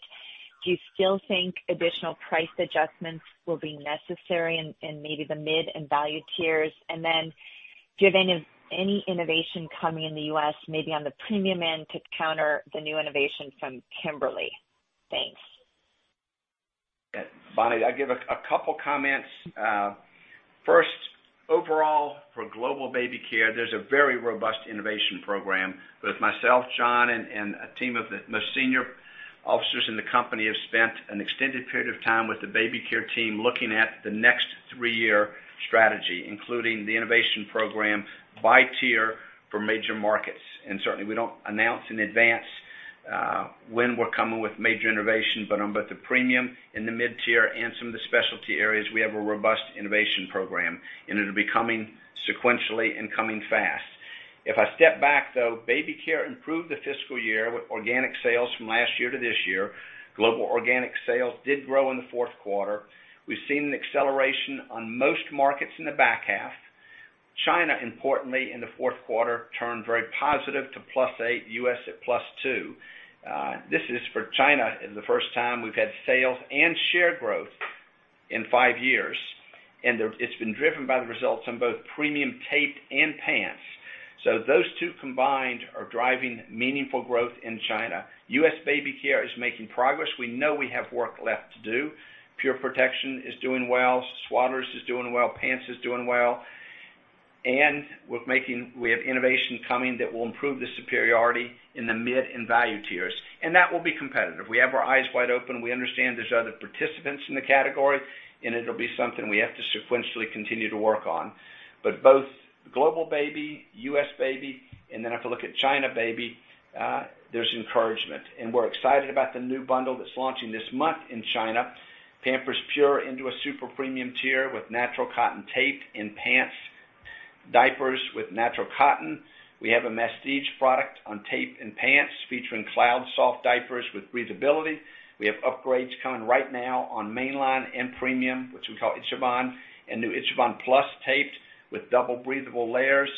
Do you still think additional price adjustments will be necessary in maybe the mid and value tiers? Do you have any innovation coming in the U.S. maybe on the premium end to counter the new innovation from Kimberly-Clark? Thanks. Bonnie, I give a couple of comments. First, overall, for global Baby Care, there's a very robust innovation program. Both myself, Jon, and a team of the most senior officers in the company have spent an extended period of time with the Baby Care team looking at the next three-year strategy, including the innovation program by tier for major markets. Certainly, we don't announce in advance when we're coming with major innovation, but on both the premium and the mid-tier and some of the specialty areas, we have a robust innovation program, and it'll be coming sequentially and coming fast. If I step back, though, Baby Care improved the fiscal year with organic sales from last year to this year. Global organic sales did grow in the fourth quarter. We've seen an acceleration on most markets in the back half. China, importantly, in the fourth quarter, turned very positive to +8%, U.S. at +2%. This is for China, the first time we've had sales and share growth in five years, and it's been driven by the results on both premium tape and pants. Those two combined are driving meaningful growth in China. U.S. Baby Care is making progress. We know we have work left to do. Pure Protection is doing well. Swaddlers is doing well. Pants is doing well. We have innovation coming that will improve the superiority in the mid and value tiers, and that will be competitive. We have our eyes wide open. We understand there's other participants in the category, and it'll be something we have to sequentially continue to work on. Both global Baby, U.S. Baby, and then if you look at China Baby, there's encouragement. We're excited about the new bundle that's launching this month in China, Pampers Pure into a super premium tier with natural cotton tape and pants, diapers with natural cotton. We have a prestige product on tape and pants featuring cloud soft diapers with breathability. We have upgrades coming right now on mainline and premium, which we call Ichiban, and new Ichiban plus taped with double breathable layers.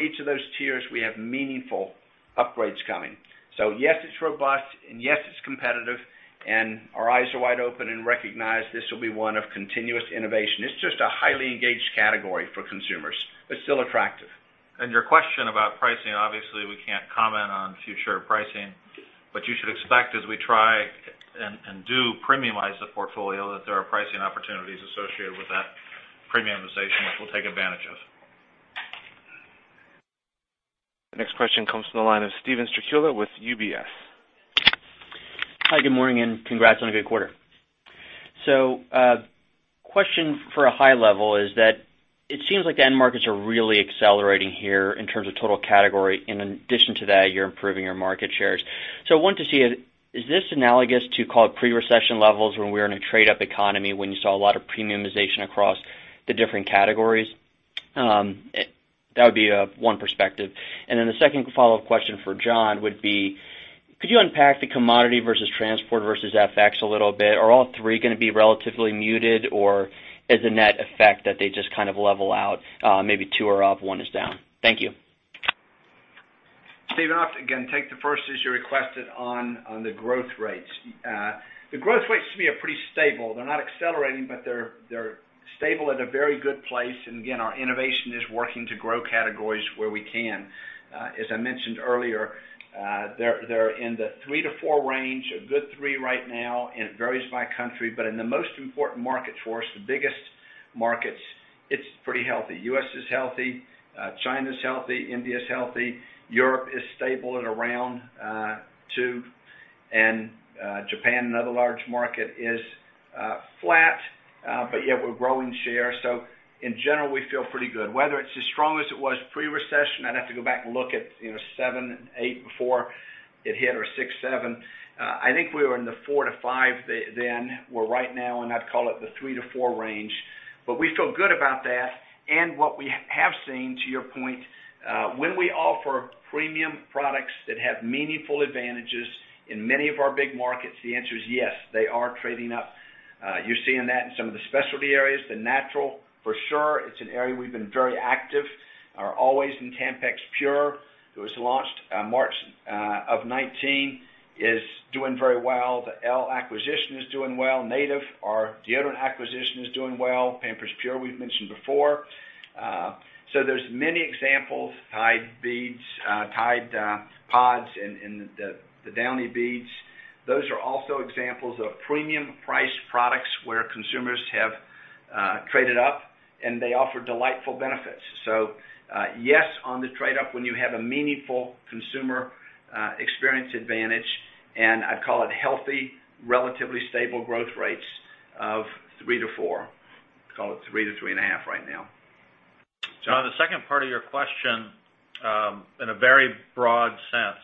Each of those tiers, we have meaningful upgrades coming. Yes, it's robust, and yes, it's competitive, and our eyes are wide open and recognize this will be one of continuous innovation. It's just a highly engaged category for consumers, but still attractive. To your question about pricing, obviously, we can't comment on future pricing. You should expect as we try, and do premiumize the portfolio, that there are pricing opportunities associated with that premiumization, which we'll take advantage of. Next question comes from the line of Steven Strycula with UBS. Hi, good morning, and congrats on a good quarter. Question for a high level is that it seems like the end markets are really accelerating here in terms of total category. In addition to that, you're improving your market shares. I want to see, is this analogous to call it pre-recession levels when we're in a trade up economy, when you saw a lot of premiumization across the different categories? That would be one perspective. The second follow-up question for Jon would be, could you unpack the commodity versus transport versus FX a little bit? Are all three going to be relatively muted or is the net effect that they just kind of level out, maybe two are up, one is down? Thank you. Steven, I'll again take the first as you requested on the growth rates. The growth rates to me are pretty stable. They're not accelerating, they're stable at a very good place. Again, our innovation is working to grow categories where we can. As I mentioned earlier, they're in the three to four range, a good three right now, it varies by country. In the most important markets for us, the biggest markets, it's pretty healthy. U.S. is healthy. China's healthy. India's healthy. Europe is stable at around two. Japan, another large market, is flat, yet we're growing share. In general, we feel pretty good. Whether it's as strong as it was pre-recession, I'd have to go back and look at 2007, 2008 before it hit, or 2006, 2007. I think we were in the four to five then. We're right now in, I'd call it, the three to four range. We feel good about that. What we have seen, to your point, when we offer premium products that have meaningful advantages in many of our big markets, the answer is yes, they are trading up. You're seeing that in some of the specialty areas, the natural, for sure. It's an area we've been very active. Our Always and Tampax Pure, it was launched March of 2019, is doing very well. The Elle acquisition is doing well. Native, our deodorant acquisition, is doing well. Pampers Pure, we've mentioned before. There's many examples. Tide Beads, Tide PODS, and the Downy Beads. Those are also examples of premium priced products where consumers have traded up, and they offer delightful benefits. Yes on the trade up when you have a meaningful consumer experience advantage, and I'd call it healthy, relatively stable growth rates of 3%-4%. Call it 3%-3.5% right now. Jon, the second part of your question, in a very broad sense,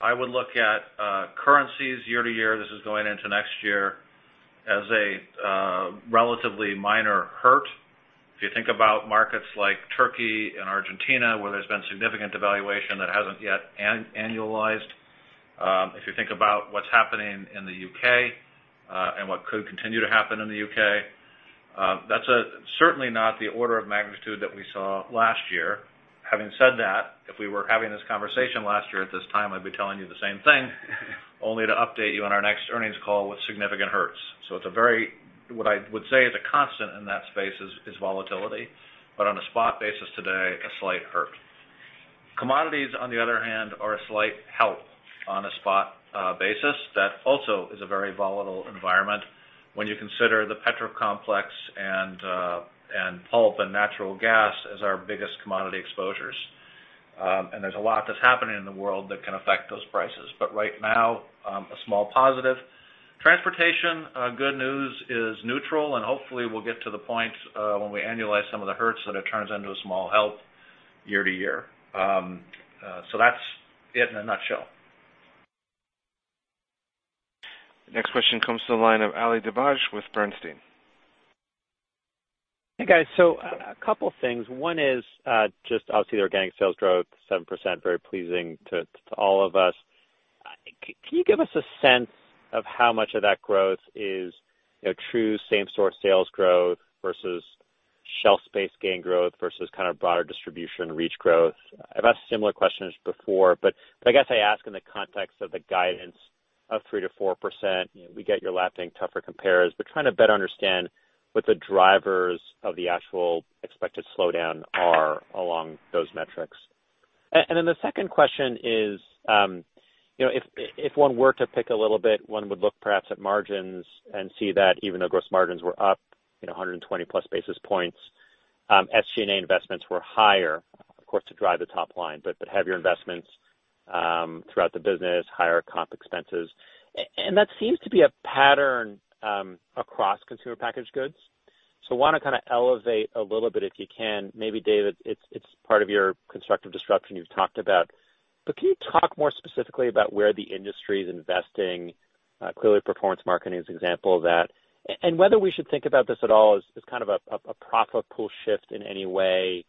I would look at currencies year-to-year, this is going into next year, as a relatively minor hurt. If you think about markets like Turkey and Argentina, where there's been significant devaluation that hasn't yet annualized. If you think about what's happening in the U.K., and what could continue to happen in the U.K., that's certainly not the order of magnitude that we saw last year. Having said that, if we were having this conversation last year at this time, I'd be telling you the same thing, only to update you on our next earnings call with significant hurts. What I would say is a constant in that space is volatility, but on a spot basis today, a slight hurt. Commodities, on the other hand, are a slight help on a spot basis. That also is a very volatile environment when you consider the petrol complex and pulp and natural gas as our biggest commodity exposures. There's a lot that's happening in the world that can affect those prices. Right now, a small positive. Transportation, good news, is neutral, and hopefully we'll get to the point when we annualize some of the hurts that it turns into a small help year to year. That's it in a nutshell. Next question comes to the line of Ali Dibadj with Bernstein. Hey, guys. A couple things. One is just obviously the organic sales growth, 7%, very pleasing to all of us. Can you give us a sense of how much of that growth is true same-store sales growth versus shelf space gain growth versus kind of broader distribution reach growth? I've asked similar questions before, but I guess I ask in the context of the guidance of 3%-4%. We get you're lapping tougher compares, but trying to better understand what the drivers of the actual expected slowdown are along those metrics. The second question is, if one were to pick a little bit, one would look perhaps at margins and see that even though gross margins were up 120-plus basis points, SG&A investments were higher, of course, to drive the top line. Heavier investments throughout the business, higher comp expenses. That seems to be a pattern across consumer packaged goods. Want to kind of elevate a little bit, if you can, maybe David, it's part of your constructive disruption you've talked about. Can you talk more specifically about where the industry's investing? Clearly, performance marketing is an example of that. Whether we should think about this at all as kind of a profit pool shift in any way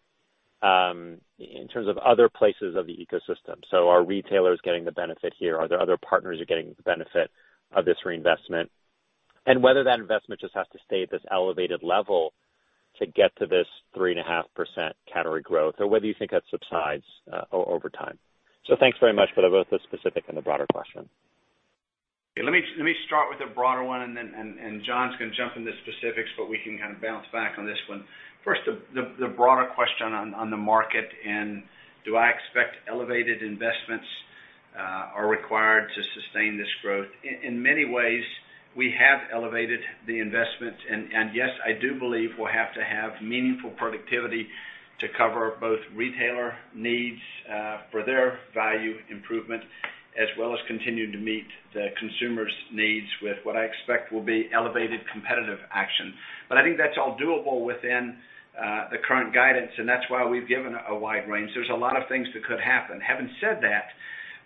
in terms of other places of the ecosystem. Are retailers getting the benefit here? Are their other partners getting the benefit of this reinvestment? Whether that investment just has to stay at this elevated level to get to this 3.5% category growth, or whether you think that subsides over time. Thanks very much for both the specific and the broader question. Let me start with the broader one. Jon's going to jump into specifics, we can kind of bounce back on this one. First, the broader question on the market, do I expect elevated investments are required to sustain this growth? In many ways, we have elevated the investment. Yes, I do believe we'll have to have meaningful productivity to cover both retailer needs for their value improvement, as well as continuing to meet the consumer's needs with what I expect will be elevated competitive action. I think that's all doable within the current guidance. That's why we've given a wide range. There's a lot of things that could happen. Having said that,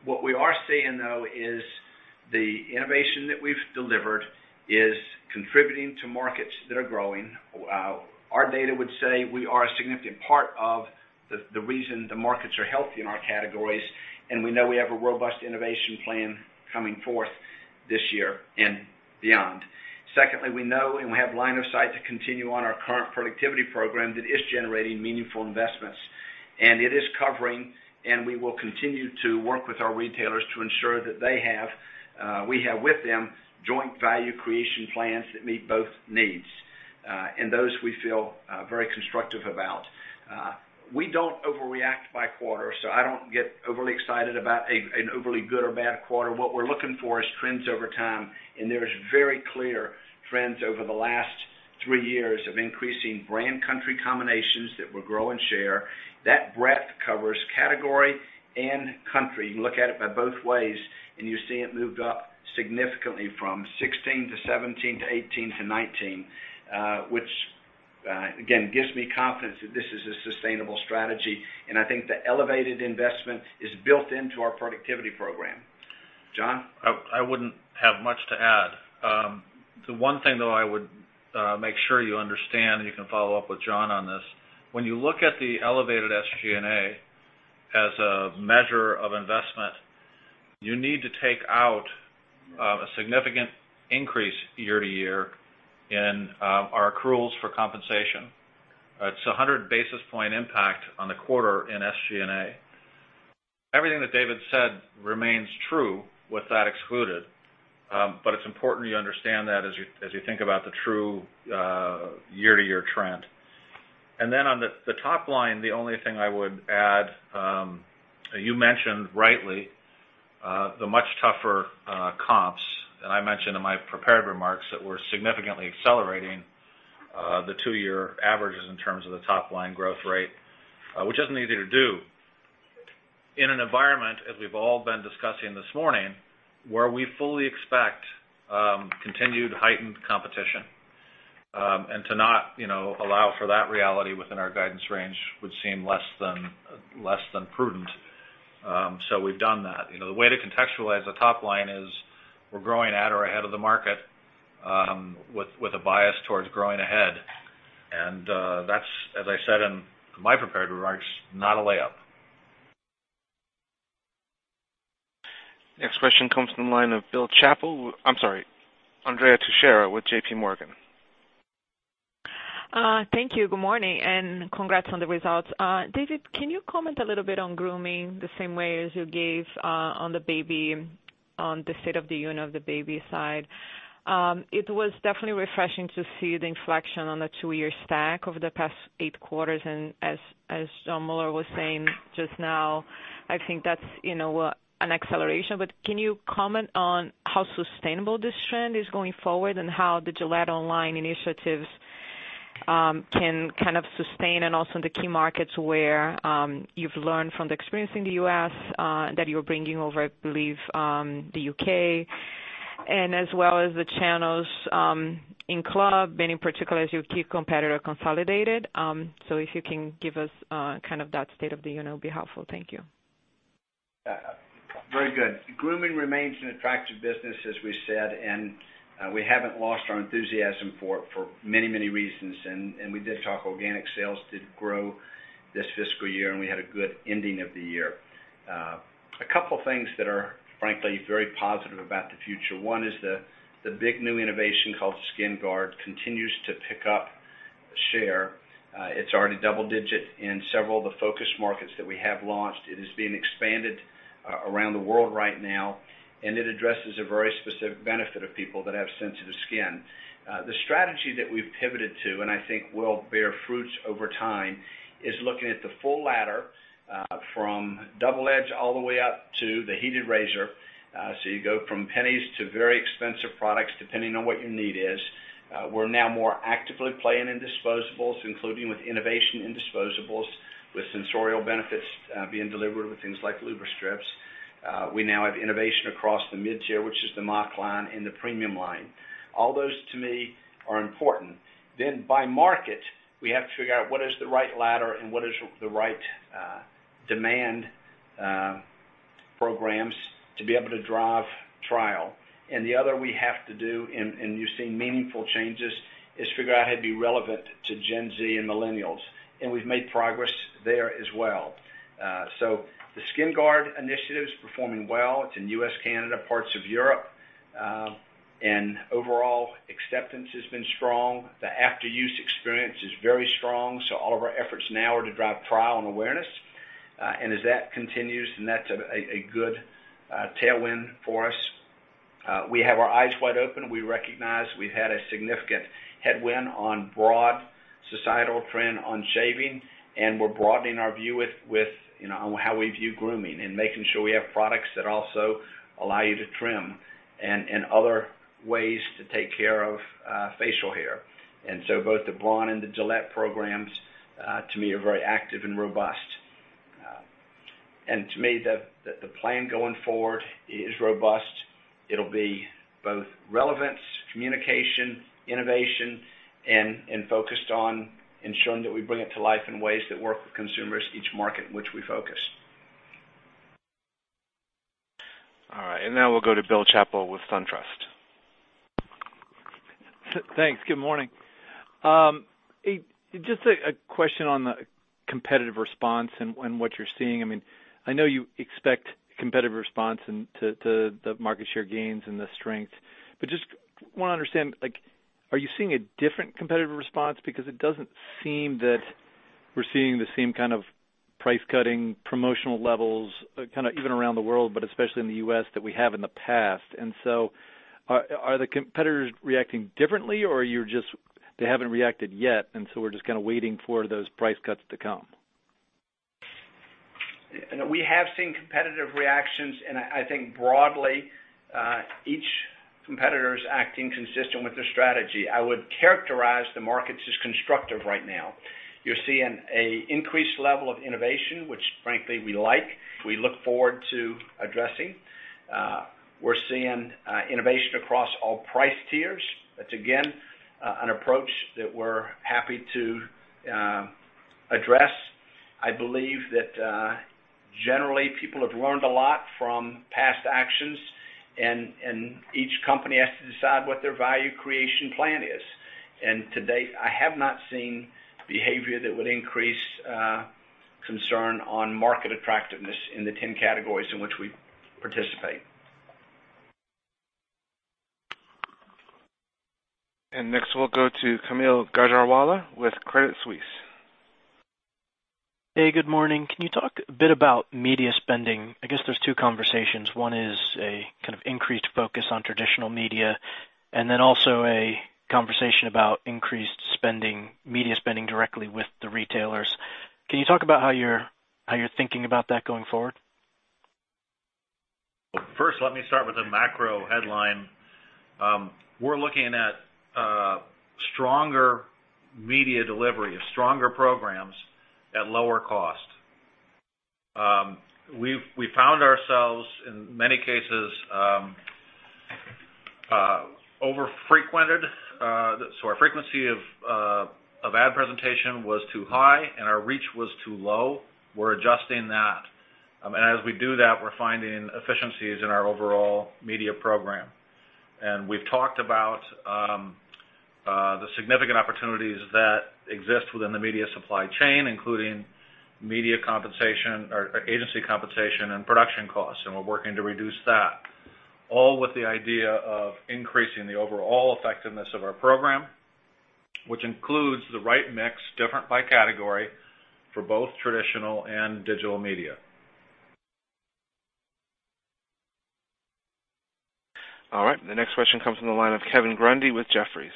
what we are seeing, though, is the innovation that we've delivered is contributing to markets that are growing. Our data would say we are a significant part of the reason the markets are healthy in our categories, and we know we have a robust innovation plan coming forth this year and beyond. Secondly, we know, and we have line of sight to continue on our current productivity program that is generating meaningful investments. It is covering, and we will continue to work with our retailers to ensure that we have with them joint value creation plans that meet both needs. Those we feel very constructive about. We don't overreact by quarter, so I don't get overly excited about an overly good or bad quarter. What we're looking for is trends over time, and there's very clear trends over the last three years of increasing brand country combinations that will grow and share. That breadth covers category and country. You can look at it by both ways, and you see it moved up significantly from 2016 to 2017 to 2018 to 2019, which again, gives me confidence that this is a sustainable strategy. I think the elevated investment is built into our productivity program. Jon? I wouldn't have much to add. The one thing, though, I would make sure you understand, and you can follow up with John on this. When you look at the elevated SG&A as a measure of investment, you need to take out a significant increase year-to-year in our accruals for compensation. It's 100-basis-point impact on the quarter in SG&A. Everything that David said remains true with that excluded. It's important you understand that as you think about the true year-to-year trend. Then on the top line, the only thing I would add, you mentioned rightly, the much tougher comps, and I mentioned in my prepared remarks that we're significantly accelerating the two-year averages in terms of the top-line growth rate, which isn't easy to do in an environment, as we've all been discussing this morning, where we fully expect continued heightened competition. To not allow for that reality within our guidance range would seem less than prudent. We've done that. The way to contextualize the top line is we're growing at or ahead of the market with a bias towards growing ahead. That's, as I said in my prepared remarks, not a layup. Next question comes from the line of Bill Chappell. I'm sorry. Andrea Teixeira with JPMorgan. Thank you. Good morning. Congrats on the results. David, can you comment a little bit on grooming the same way as you gave on the state of the union of the baby side? It was definitely refreshing to see the inflection on the two-year stack over the past eight quarters. As Jon Moeller was saying just now, I think that's an acceleration. Can you comment on how sustainable this trend is going forward and how the Gillette online initiatives can kind of sustain and also in the key markets where you've learned from the experience in the U.S. That you're bringing over, I believe, the U.K., and as well as the channels in club, and in particular as your key competitor consolidated. If you can give us kind of that state of the union, it would be helpful. Thank you. Very good. Grooming remains an attractive business, as we said, and we haven't lost our enthusiasm for it for many reasons. We did talk organic sales did grow this fiscal year, and we had a good ending of the year. A couple things that are, frankly, very positive about the future. One is the big new innovation called SkinGuard continues to pick up share. It's already double-digit in several of the focus markets that we have launched. It is being expanded around the world right now, and it addresses a very specific benefit of people that have sensitive skin. The strategy that we've pivoted to, and I think will bear fruits over time, is looking at the full ladder, from double-edge all the way up to the heated razor. You go from pennies to very expensive products, depending on what your need is. We're now more actively playing in disposables, including with innovation in disposables, with sensorial benefits being delivered with things like Lubrastrip. We now have innovation across the mid-tier, which is the Mach3 line and the premium line. All those to me are important. By market, we have to figure out what is the right ladder and what is the right demand programs to be able to drive trial. The other we have to do, and you've seen meaningful changes, is figure out how to be relevant to Gen Z and millennials. We've made progress there as well. The SkinGuard initiative is performing well. It's in U.S., Canada, parts of Europe. Overall acceptance has been strong. The after-use experience is very strong. All of our efforts now are to drive trial and awareness. As that continues, then that's a good tailwind for us. We have our eyes wide open. We recognize we've had a significant headwind on broad societal trend on shaving. We're broadening our view with how we view grooming and making sure we have products that also allow you to trim, and other ways to take care of facial hair. Both the Braun and the Gillette programs, to me, are very active and robust. To me, the plan going forward is robust. It'll be both relevance, communication, innovation, and focused on ensuring that we bring it to life in ways that work with consumers, each market in which we focus. All right. Now we'll go to Bill Chappell with SunTrust. Thanks. Good morning. Just a question on the competitive response and what you're seeing. I know you expect competitive response to the market share gains and the strength. Just want to understand, are you seeing a different competitive response? It doesn't seem that we're seeing the same kind of price cutting promotional levels, kind of even around the world, but especially in the U.S., that we have in the past. Are the competitors reacting differently, or they haven't reacted yet, and so we're just kind of waiting for those price cuts to come? We have seen competitive reactions. I think broadly, each competitor is acting consistent with their strategy. I would characterize the markets as constructive right now. You're seeing an increased level of innovation, which frankly, we like. We look forward to addressing. We're seeing innovation across all price tiers. That's again, an approach that we're happy to address. I believe that generally, people have learned a lot from past actions. Each company has to decide what their value creation plan is. To date, I have not seen behavior that would increase concern on market attractiveness in the 10 categories in which we participate. Next, we'll go to Kaumil Gajrawala with Credit Suisse. Hey, good morning. Can you talk a bit about media spending? I guess there's two conversations. One is a kind of increased focus on traditional media, and then also a conversation about increased media spending directly with the retailers. Can you talk about how you're thinking about that going forward? First, let me start with a macro headline. We're looking at stronger media delivery, stronger programs at lower cost. We've found ourselves, in many cases, over-frequented. Our frequency of ad presentation was too high, and our reach was too low. We're adjusting that. As we do that, we're finding efficiencies in our overall media program. We've talked about the significant opportunities that exist within the media supply chain, including media compensation or agency compensation, and production costs, and we're working to reduce that, all with the idea of increasing the overall effectiveness of our program, which includes the right mix, different by category, for both traditional and digital media. All right. The next question comes from the line of Kevin Grundy with Jefferies.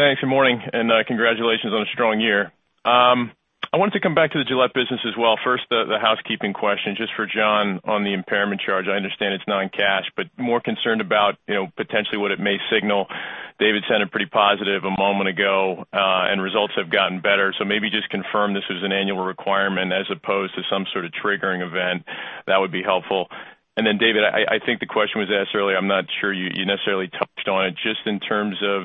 Thanks. Good morning, congratulations on a strong year. I wanted to come back to the Gillette business as well. First, the housekeeping question, just for Jon on the impairment charge. I understand it's non-cash, but more concerned about potentially what it may signal. David sounded pretty positive a moment ago, and results have gotten better. Maybe just confirm this was an annual requirement as opposed to some sort of triggering event. That would be helpful. David, I think the question was asked earlier, I'm not sure you necessarily touched on it, just in terms of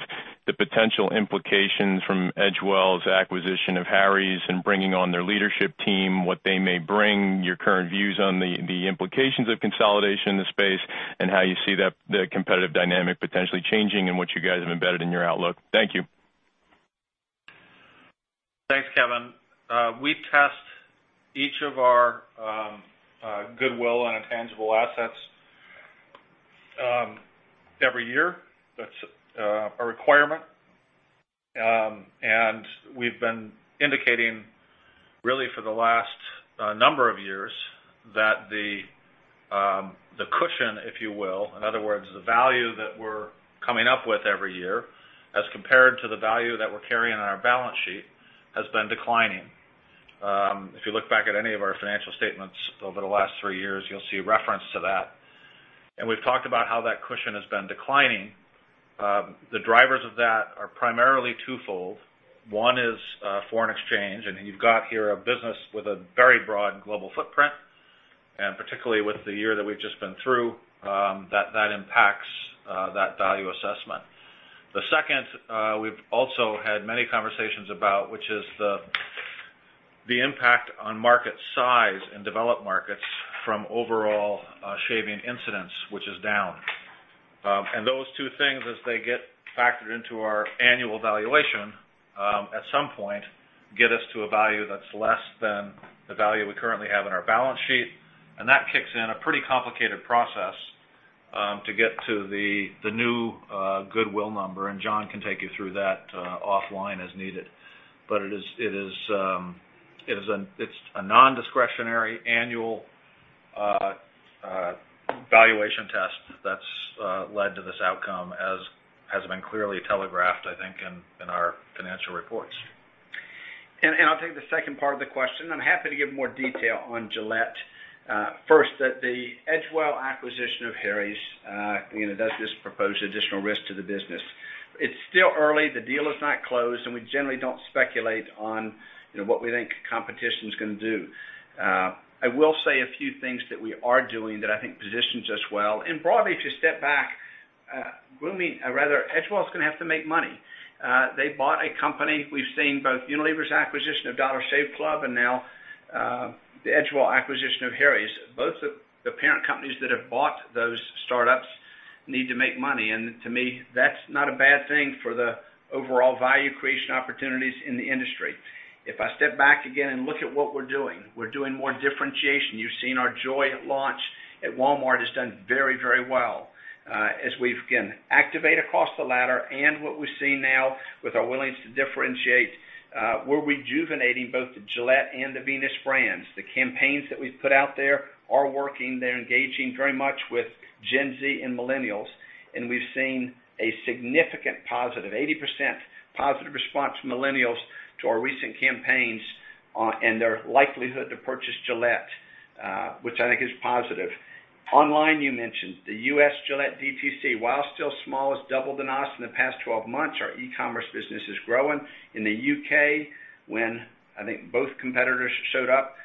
the potential implications from Edgewell's acquisition of Harry's and bringing on their leadership team, what they may bring, your current views on the implications of consolidation in the space, and how you see the competitive dynamic potentially changing and what you guys have embedded in your outlook. Thank you. Thanks, Kevin. We test each of our goodwill and intangible assets every year. That's a requirement. We've been indicating, really for the last number of years, that the cushion, if you will, in other words, the value that we're coming up with every year, as compared to the value that we're carrying on our balance sheet, has been declining. If you look back at any of our financial statements over the last three years, you'll see reference to that. We've talked about how that cushion has been declining. The drivers of that are primarily twofold. One is foreign exchange, you've got here a business with a very broad global footprint, particularly with the year that we've just been through, that impacts that value assessment. The second, we've also had many conversations about, which is the impact on market size in developed markets from overall shaving incidents, which is down. Those two things, as they get factored into our annual valuation, at some point. Get us to a value that's less than the value we currently have on our balance sheet. That kicks in a pretty complicated process to get to the new goodwill number, and John can take you through that offline as needed. It's a non-discretionary annual valuation test that's led to this outcome, as has been clearly telegraphed, I think, in our financial reports. I'll take the second part of the question. I'm happy to give more detail on Gillette. First, that the Edgewell acquisition of Harry's, does this propose additional risk to the business? It's still early. The deal is not closed, and we generally don't speculate on what we think competition's going to do. I will say a few things that we are doing that I think positions us well. Broadly, if you step back, Edgewell's going to have to make money. They bought a company. We've seen both Unilever's acquisition of Dollar Shave Club, and now, the Edgewell acquisition of Harry's. Both the parent companies that have bought those startups need to make money, and to me, that's not a bad thing for the overall value creation opportunities in the industry. If I step back again and look at what we're doing, we're doing more differentiation. You've seen our Joy at launch, at Walmart, has done very well. We've, again, activate across the ladder, and what we're seeing now with our willingness to differentiate. We're rejuvenating both the Gillette and the Venus brands. The campaigns that we've put out there are working. They're engaging very much with Gen Z and millennials, and we've seen a significant positive, 80% positive response from millennials to our recent campaigns, and their likelihood to purchase Gillette, which I think is positive. Online, you mentioned. The U.S. Gillette DTC, while still small, has doubled the NOS in the past 12 months. Our e-commerce business is growing. In the U.K., when I think both competitors showed up,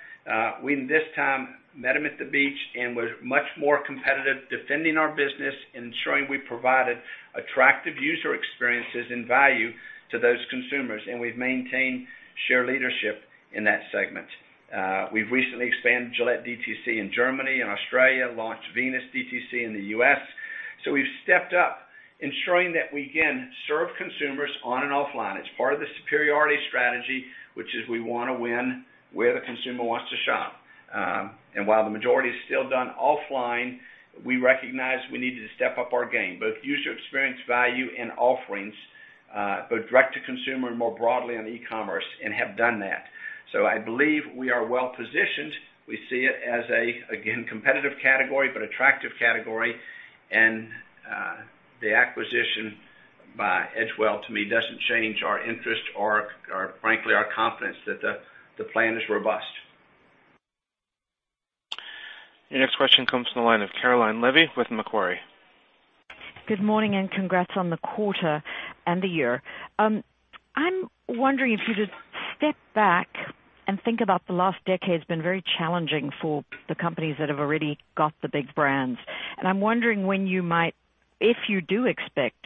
we, this time, met them at the beach and were much more competitive, defending our business, ensuring we provided attractive user experiences and value to those consumers, and we've maintained share leadership in that segment. We've recently expanded Gillette DTC in Germany and Australia, launched Venus DTC in the U.S. We've stepped up ensuring that we, again, serve consumers on and offline. It's part of the superiority strategy, which is we want to win where the consumer wants to shop. While the majority is still done offline, we recognize we needed to step up our game, both user experience value and offerings, both direct to consumer and more broadly on e-commerce, and have done that. I believe we are well-positioned. We see it as a, again, competitive category, attractive category. The acquisition by Edgewell, to me, doesn't change our interest or frankly, our confidence that the plan is robust. Your next question comes from the line of Caroline Levy with Macquarie. Good morning, congrats on the quarter and the year. I'm wondering if you just step back and think about the last decade's been very challenging for the companies that have already got the big brands. I'm wondering when you might, if you do expect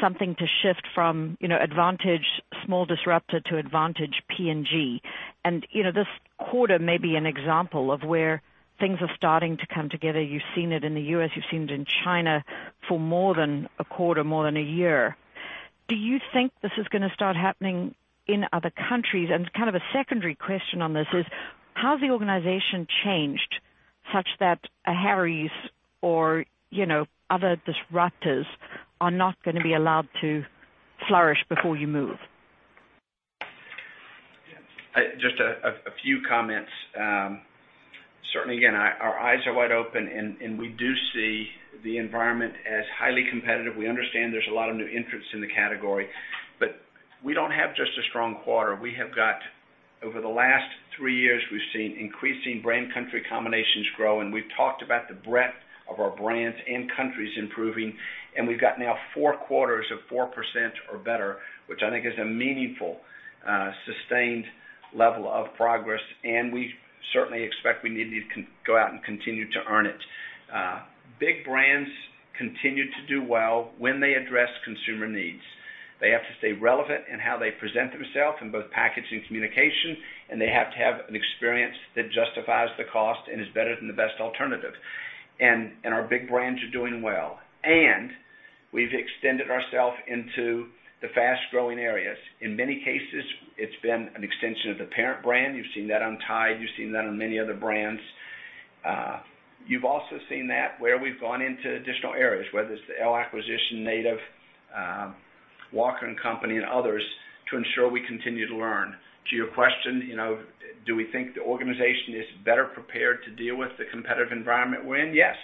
something to shift from advantage small disruptor to advantage P&G. This quarter may be an example of where things are starting to come together. You've seen it in the U.S., you've seen it in China for more than a quarter, more than a year. Do you think this is going to start happening in other countries? Kind of a secondary question on this is, how has the organization changed, such that a Harry's or other disruptors are not going to be allowed to flourish before you move? Just a few comments. Certainly, again, our eyes are wide open, and we do see the environment as highly competitive. We understand there's a lot of new entrants in the category, but we don't have just a strong quarter. Over the last three years, we've seen increasing brand country combinations grow, and we've talked about the breadth of our brands and countries improving, and we've got now four quarters of 4% or better, which I think is a meaningful, sustained level of progress, and we certainly expect we need to go out and continue to earn it. Big brands continue to do well when they address consumer needs. They have to stay relevant in how they present themselves in both package and communication, and they have to have an experience that justifies the cost and is better than the best alternative. Our big brands are doing well. We've extended ourselves into the fast-growing areas. In many cases, it's been an extension of the parent brand. You've seen that on Tide. You've seen that on many other brands. You've also seen that where we've gone into additional areas, whether it's the Elle acquisition, Native, Walker & Company, and others to ensure we continue to learn. To your question, do we think the organization is better prepared to deal with the competitive environment we're in? Yes.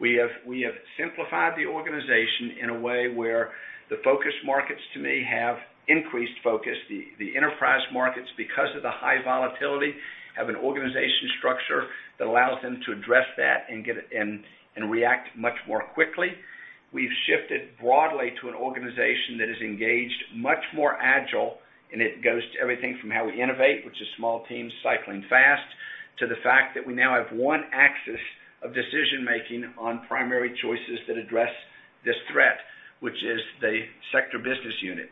We have simplified the organization in a way where the focus markets, to me, have increased focus. The enterprise markets, because of the high volatility, have an organization structure that allows them to address that and react much more quickly. We've shifted broadly to an organization that is engaged, much more agile, and it goes to everything from how we innovate, which is small teams cycling fast, to the fact that we now have one axis of decision-making on primary choices that address this threat, which is the Sector Business Unit.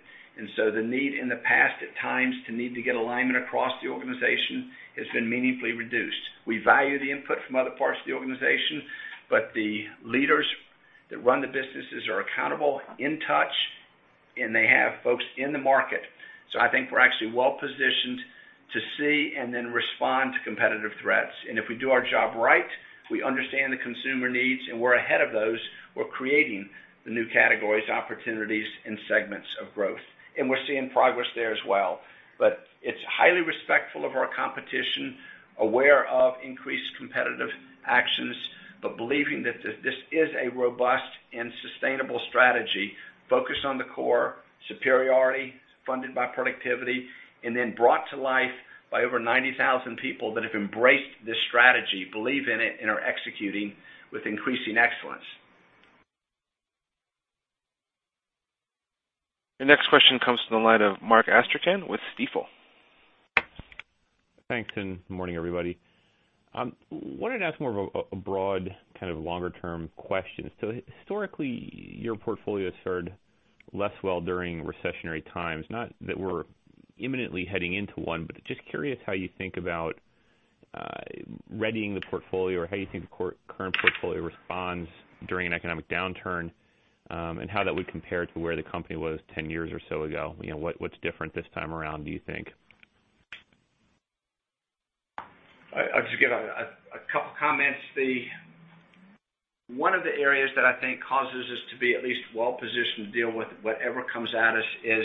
The need in the past, at times, to need to get alignment across the organization has been meaningfully reduced. We value the input from other parts of the organization, but the leaders that run the businesses are accountable, in touch, and they have folks in the market. I think we're actually well-positioned to see and then respond to competitive threats. If we do our job right, if we understand the consumer needs, and we're ahead of those, we're creating the new categories, opportunities, and segments of growth. We're seeing progress there as well. It's highly respectful of our competition, aware of increased competitive actions, but believing that this is a robust and sustainable strategy focused on the core superiority funded by productivity, and then brought to life by over 90,000 people that have embraced this strategy, believe in it, and are executing with increasing excellence. The next question comes from the line of Mark Astrachan with Stifel. Thanks, good morning, everybody. Wanted to ask more of a broad kind of longer-term question. Historically, your portfolio has fared less well during recessionary times. Not that we're imminently heading into one, just curious how you think about readying the portfolio, or how you think the current portfolio responds during an economic downturn, and how that would compare to where the company was 10 years or so ago. What's different this time around, do you think? I'll just give a couple of comments. One of the areas that I think causes us to be at least well-positioned to deal with whatever comes at us is,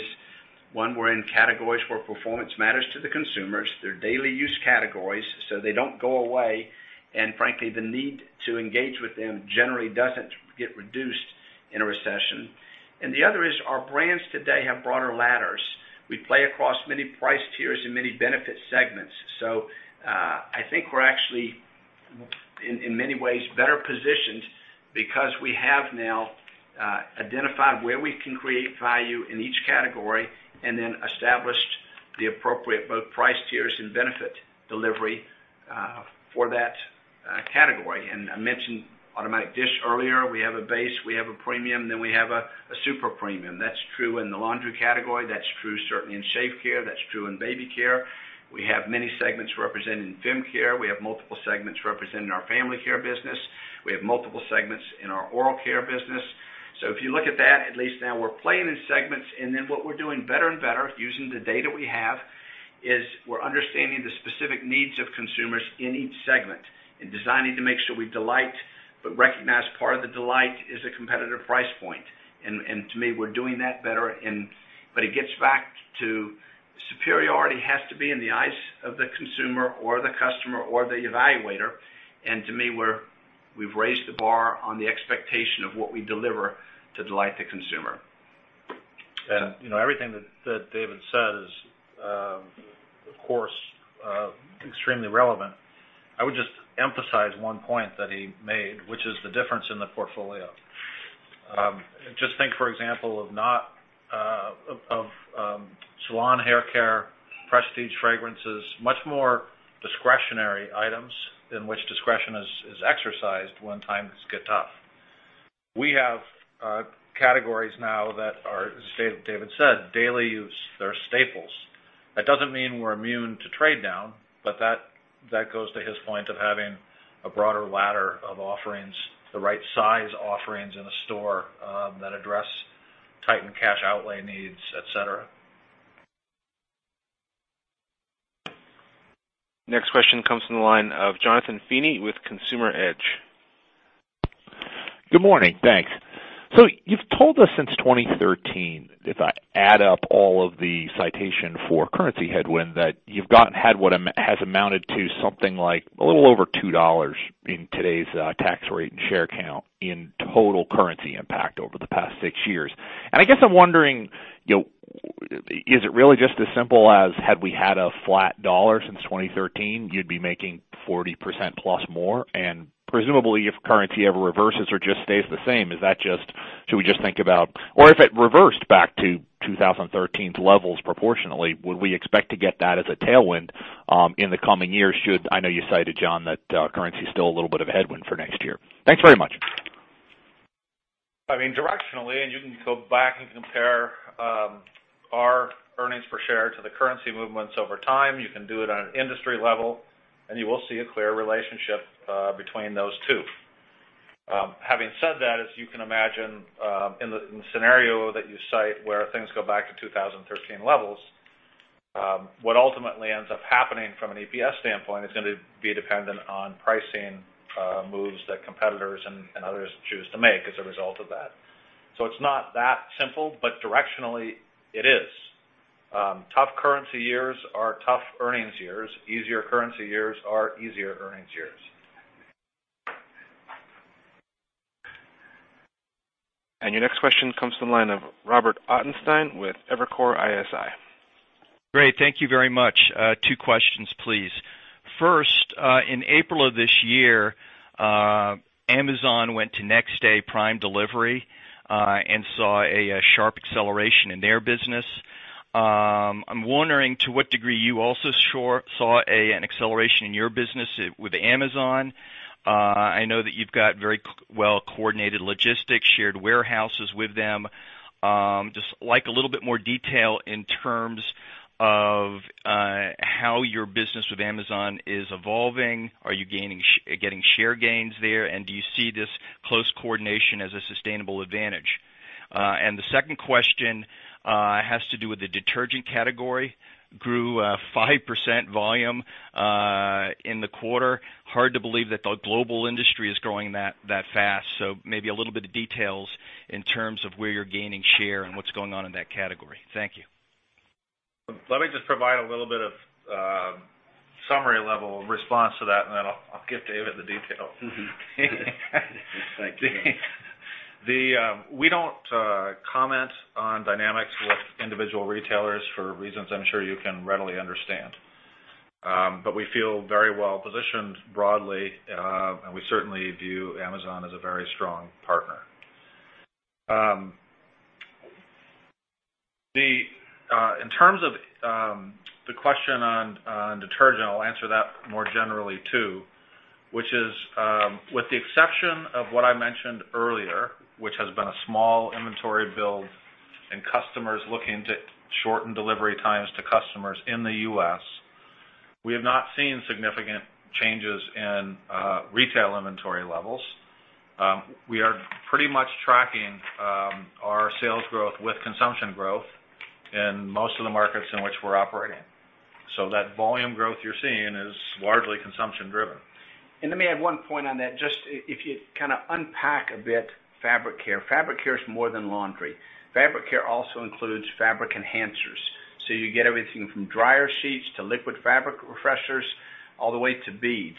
one, we're in categories where performance matters to the consumers. They're daily-use categories, so they don't go away, and frankly, the need to engage with them generally doesn't get reduced in a recession. The other is our brands today have broader ladders. We play across many price tiers and many benefit segments. I think we're actually, in many ways, better positioned because we have now identified where we can create value in each category and then established the appropriate both price tiers and benefit delivery for that category. I mentioned automatic dish earlier. We have a base, we have a premium, then we have a super premium. That's true in the laundry category. That's true certainly in Safe Care. That's true in Baby Care. We have many segments represented in fem care. We have multiple segments represented in our family care business. We have multiple segments in our oral care business. If you look at that, at least now we're playing in segments. What we're doing better and better, using the data we have, is we're understanding the specific needs of consumers in each segment and designing to make sure we delight, but recognize part of the delight is a competitive price point. To me, we're doing that better. It gets back to superiority has to be in the eyes of the consumer or the customer or the evaluator. To me, we've raised the bar on the expectation of what we deliver to delight the consumer. Everything that David said is, of course, extremely relevant. I would just emphasize one point that he made, which is the difference in the portfolio. Just think, for example, of salon haircare, prestige fragrances, much more discretionary items in which discretion is exercised when times get tough. We have categories now that are, as David said, daily use. They're staples. That doesn't mean we're immune to trade down, but that goes to his point of having a broader ladder of offerings, the right size offerings in a store that address tightened cash outlay needs, et cetera. Next question comes from the line of Jonathan Feeney with Consumer Edge. Good morning. Thanks. You've told us since 2013, if I add up all of the citation for currency headwind, that you've had what has amounted to something like a little over $2 in today's tax rate and share count in total currency impact over the past six years. I guess I'm wondering, is it really just as simple as had we had a flat dollar since 2013, you'd be making 40% plus more? Presumably, if currency ever reverses or just stays the same, or if it reversed back to 2013's levels proportionally, would we expect to get that as a tailwind in the coming years. I know you cited, Jon, that currency is still a little bit of a headwind for next year. Thanks very much. Directionally, you can go back and compare our earnings per share to the currency movements over time. You can do it on an industry level, you will see a clear relationship between those two. Having said that, as you can imagine, in the scenario that you cite where things go back to 2013 levels, what ultimately ends up happening from an EPS standpoint is going to be dependent on pricing moves that competitors and others choose to make as a result of that. It's not that simple, directionally it is. Tough currency years are tough earnings years. Easier currency years are easier earnings years. Your next question comes from the line of Robert Ottenstein with Evercore ISI. Great, thank you very much. Two questions, please. First, in April of this year, Amazon went to next day Prime delivery, and saw a sharp acceleration in their business. I'm wondering to what degree you also saw an acceleration in your business with Amazon. I know that you've got very well-coordinated logistics, shared warehouses with them. Just like a little bit more detail in terms of how your business with Amazon is evolving. Are you getting share gains there? Do you see this close coordination as a sustainable advantage? The second question has to do with the detergent category. Grew 5% volume in the quarter. Hard to believe that the global industry is growing that fast. Maybe a little bit of details in terms of where you're gaining share and what's going on in that category. Thank you. Let me just provide a little bit of summary level response to that, and then I'll give David the details. Mm-hmm. Thank you. We don't comment on dynamics with individual retailers for reasons I'm sure you can readily understand. We feel very well positioned broadly, and we certainly view Amazon as a very strong partner. In terms of the question on detergent, I'll answer that more generally, too, which is, with the exception of what I mentioned earlier, which has been a small inventory build and customers looking to shorten delivery times to customers in the U.S., we have not seen significant changes in retail inventory levels. We are pretty much tracking our sales growth with consumption growth in most of the markets in which we're operating. That volume growth you're seeing is largely consumption driven. Let me add one point on that. Just if you kind of unpack a bit Fabric Care. Fabric Care is more than laundry. Fabric Care also includes fabric enhancers. You get everything from dryer sheets to liquid fabric refreshers, all the way to beads.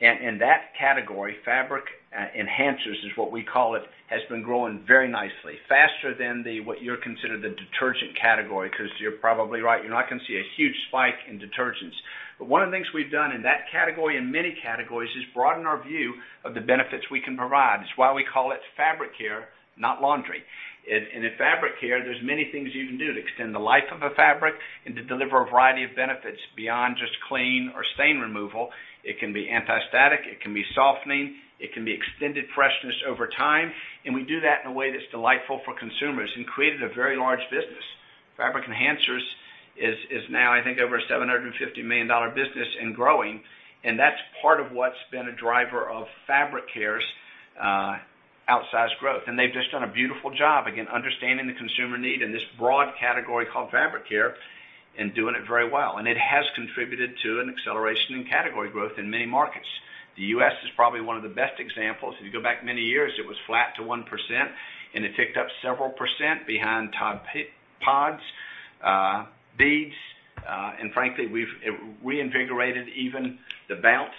In that category, fabric enhancers is what we call it, has been growing very nicely, faster than what you'll consider the detergent category, because you're probably right. You're not going to see a huge spike in detergents. One of the things we've done in that category and many categories is broaden our view of the benefits we can provide. It's why we call it Fabric Care, not laundry. In Fabric Care, there's many things you can do to extend the life of a fabric and to deliver a variety of benefits beyond just clean or stain removal. It can be anti-static, it can be softening, it can be extended freshness over time, and we do that in a way that's delightful for consumers and created a very large business. Fabric enhancers is now, I think, over a $750 million business and growing, and that's part of what's been a driver of Fabric Care's outsized growth. They've just done a beautiful job, again, understanding the consumer need in this broad category called Fabric Care and doing it very well. It has contributed to an acceleration in category growth in many markets. The U.S. is probably one of the best examples. If you go back many years, it was flat to 1%, and it ticked up several percent behind Tide PODS, beads, and frankly, we've reinvigorated even the Bounce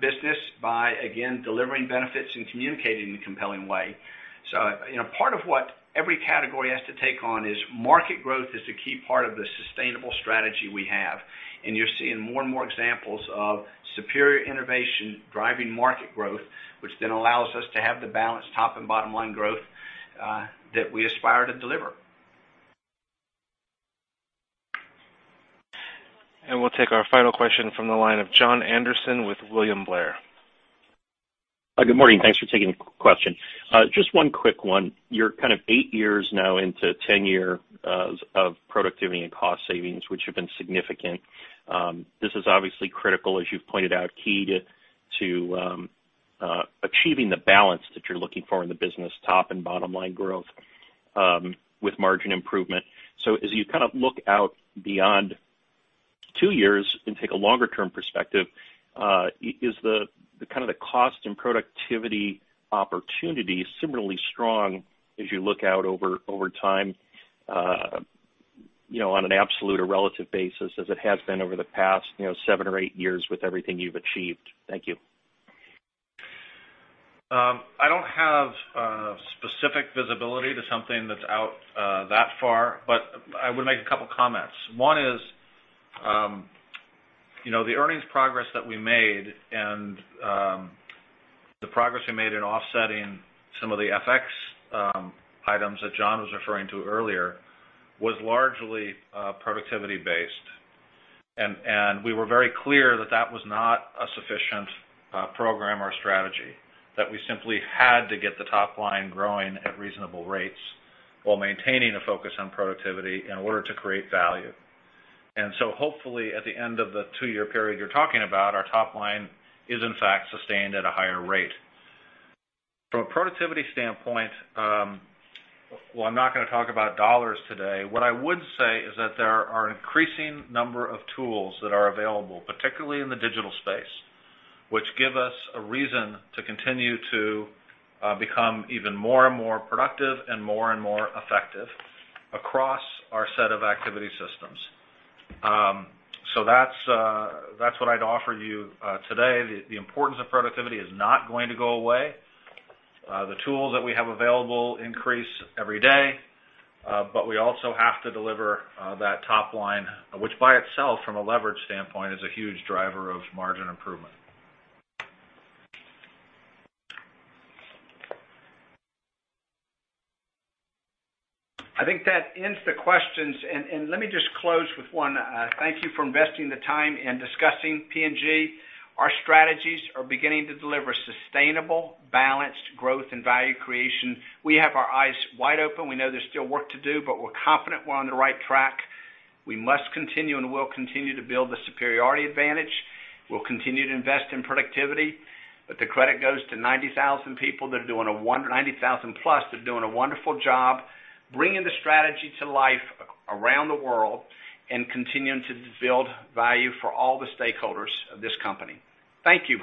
business by, again, delivering benefits and communicating in a compelling way. Part of what every category has to take on is market growth is a key part of the sustainable strategy we have. You're seeing more and more examples of superior innovation driving market growth, which then allows us to have the balanced top and bottom-line growth that we aspire to deliver. We'll take our final question from the line of Jon Andersen with William Blair. Good morning. Thanks for taking the question. Just one quick one. You're kind of eight years now into 10-year of productivity and cost savings, which have been significant. This is obviously critical, as you've pointed out, key to achieving the balance that you're looking for in the business top and bottom line growth, with margin improvement. As you kind of look out beyond two years and take a longer term perspective, is the kind of the cost and productivity opportunity similarly strong as you look out over time, on an absolute or relative basis as it has been over the past seven or eight years with everything you've achieved? Thank you. I don't have specific visibility to something that's out that far, but I would make a couple comments. One is, the earnings progress that we made and the progress we made in offsetting some of the FX items that Jon was referring to earlier was largely productivity based. We were very clear that that was not a sufficient program or strategy, that we simply had to get the top line growing at reasonable rates while maintaining a focus on productivity in order to create value. Hopefully at the end of the two-year period you're talking about, our top line is in fact sustained at a higher rate. From a productivity standpoint, while I'm not going to talk about dollars today, what I would say is that there are an increasing number of tools that are available, particularly in the digital space, which give us a reason to continue to become even more and more productive and more and more effective across our set of activity systems. That's what I'd offer you today. The importance of productivity is not going to go away. The tools that we have available increase every day. We also have to deliver that top line, which by itself, from a leverage standpoint, is a huge driver of margin improvement. I think that ends the questions, and let me just close with one thank you for investing the time in discussing P&G. Our strategies are beginning to deliver sustainable, balanced growth and value creation. We have our eyes wide open. We know there's still work to do, but we're confident we're on the right track. We must continue and will continue to build the superiority advantage. We'll continue to invest in productivity, but the credit goes to 90,000 plus that are doing a wonderful job bringing the strategy to life around the world and continuing to build value for all the stakeholders of this company. Thank you.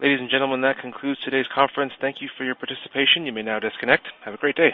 Ladies and gentlemen, that concludes today's conference. Thank you for your participation. You may now disconnect. Have a great day.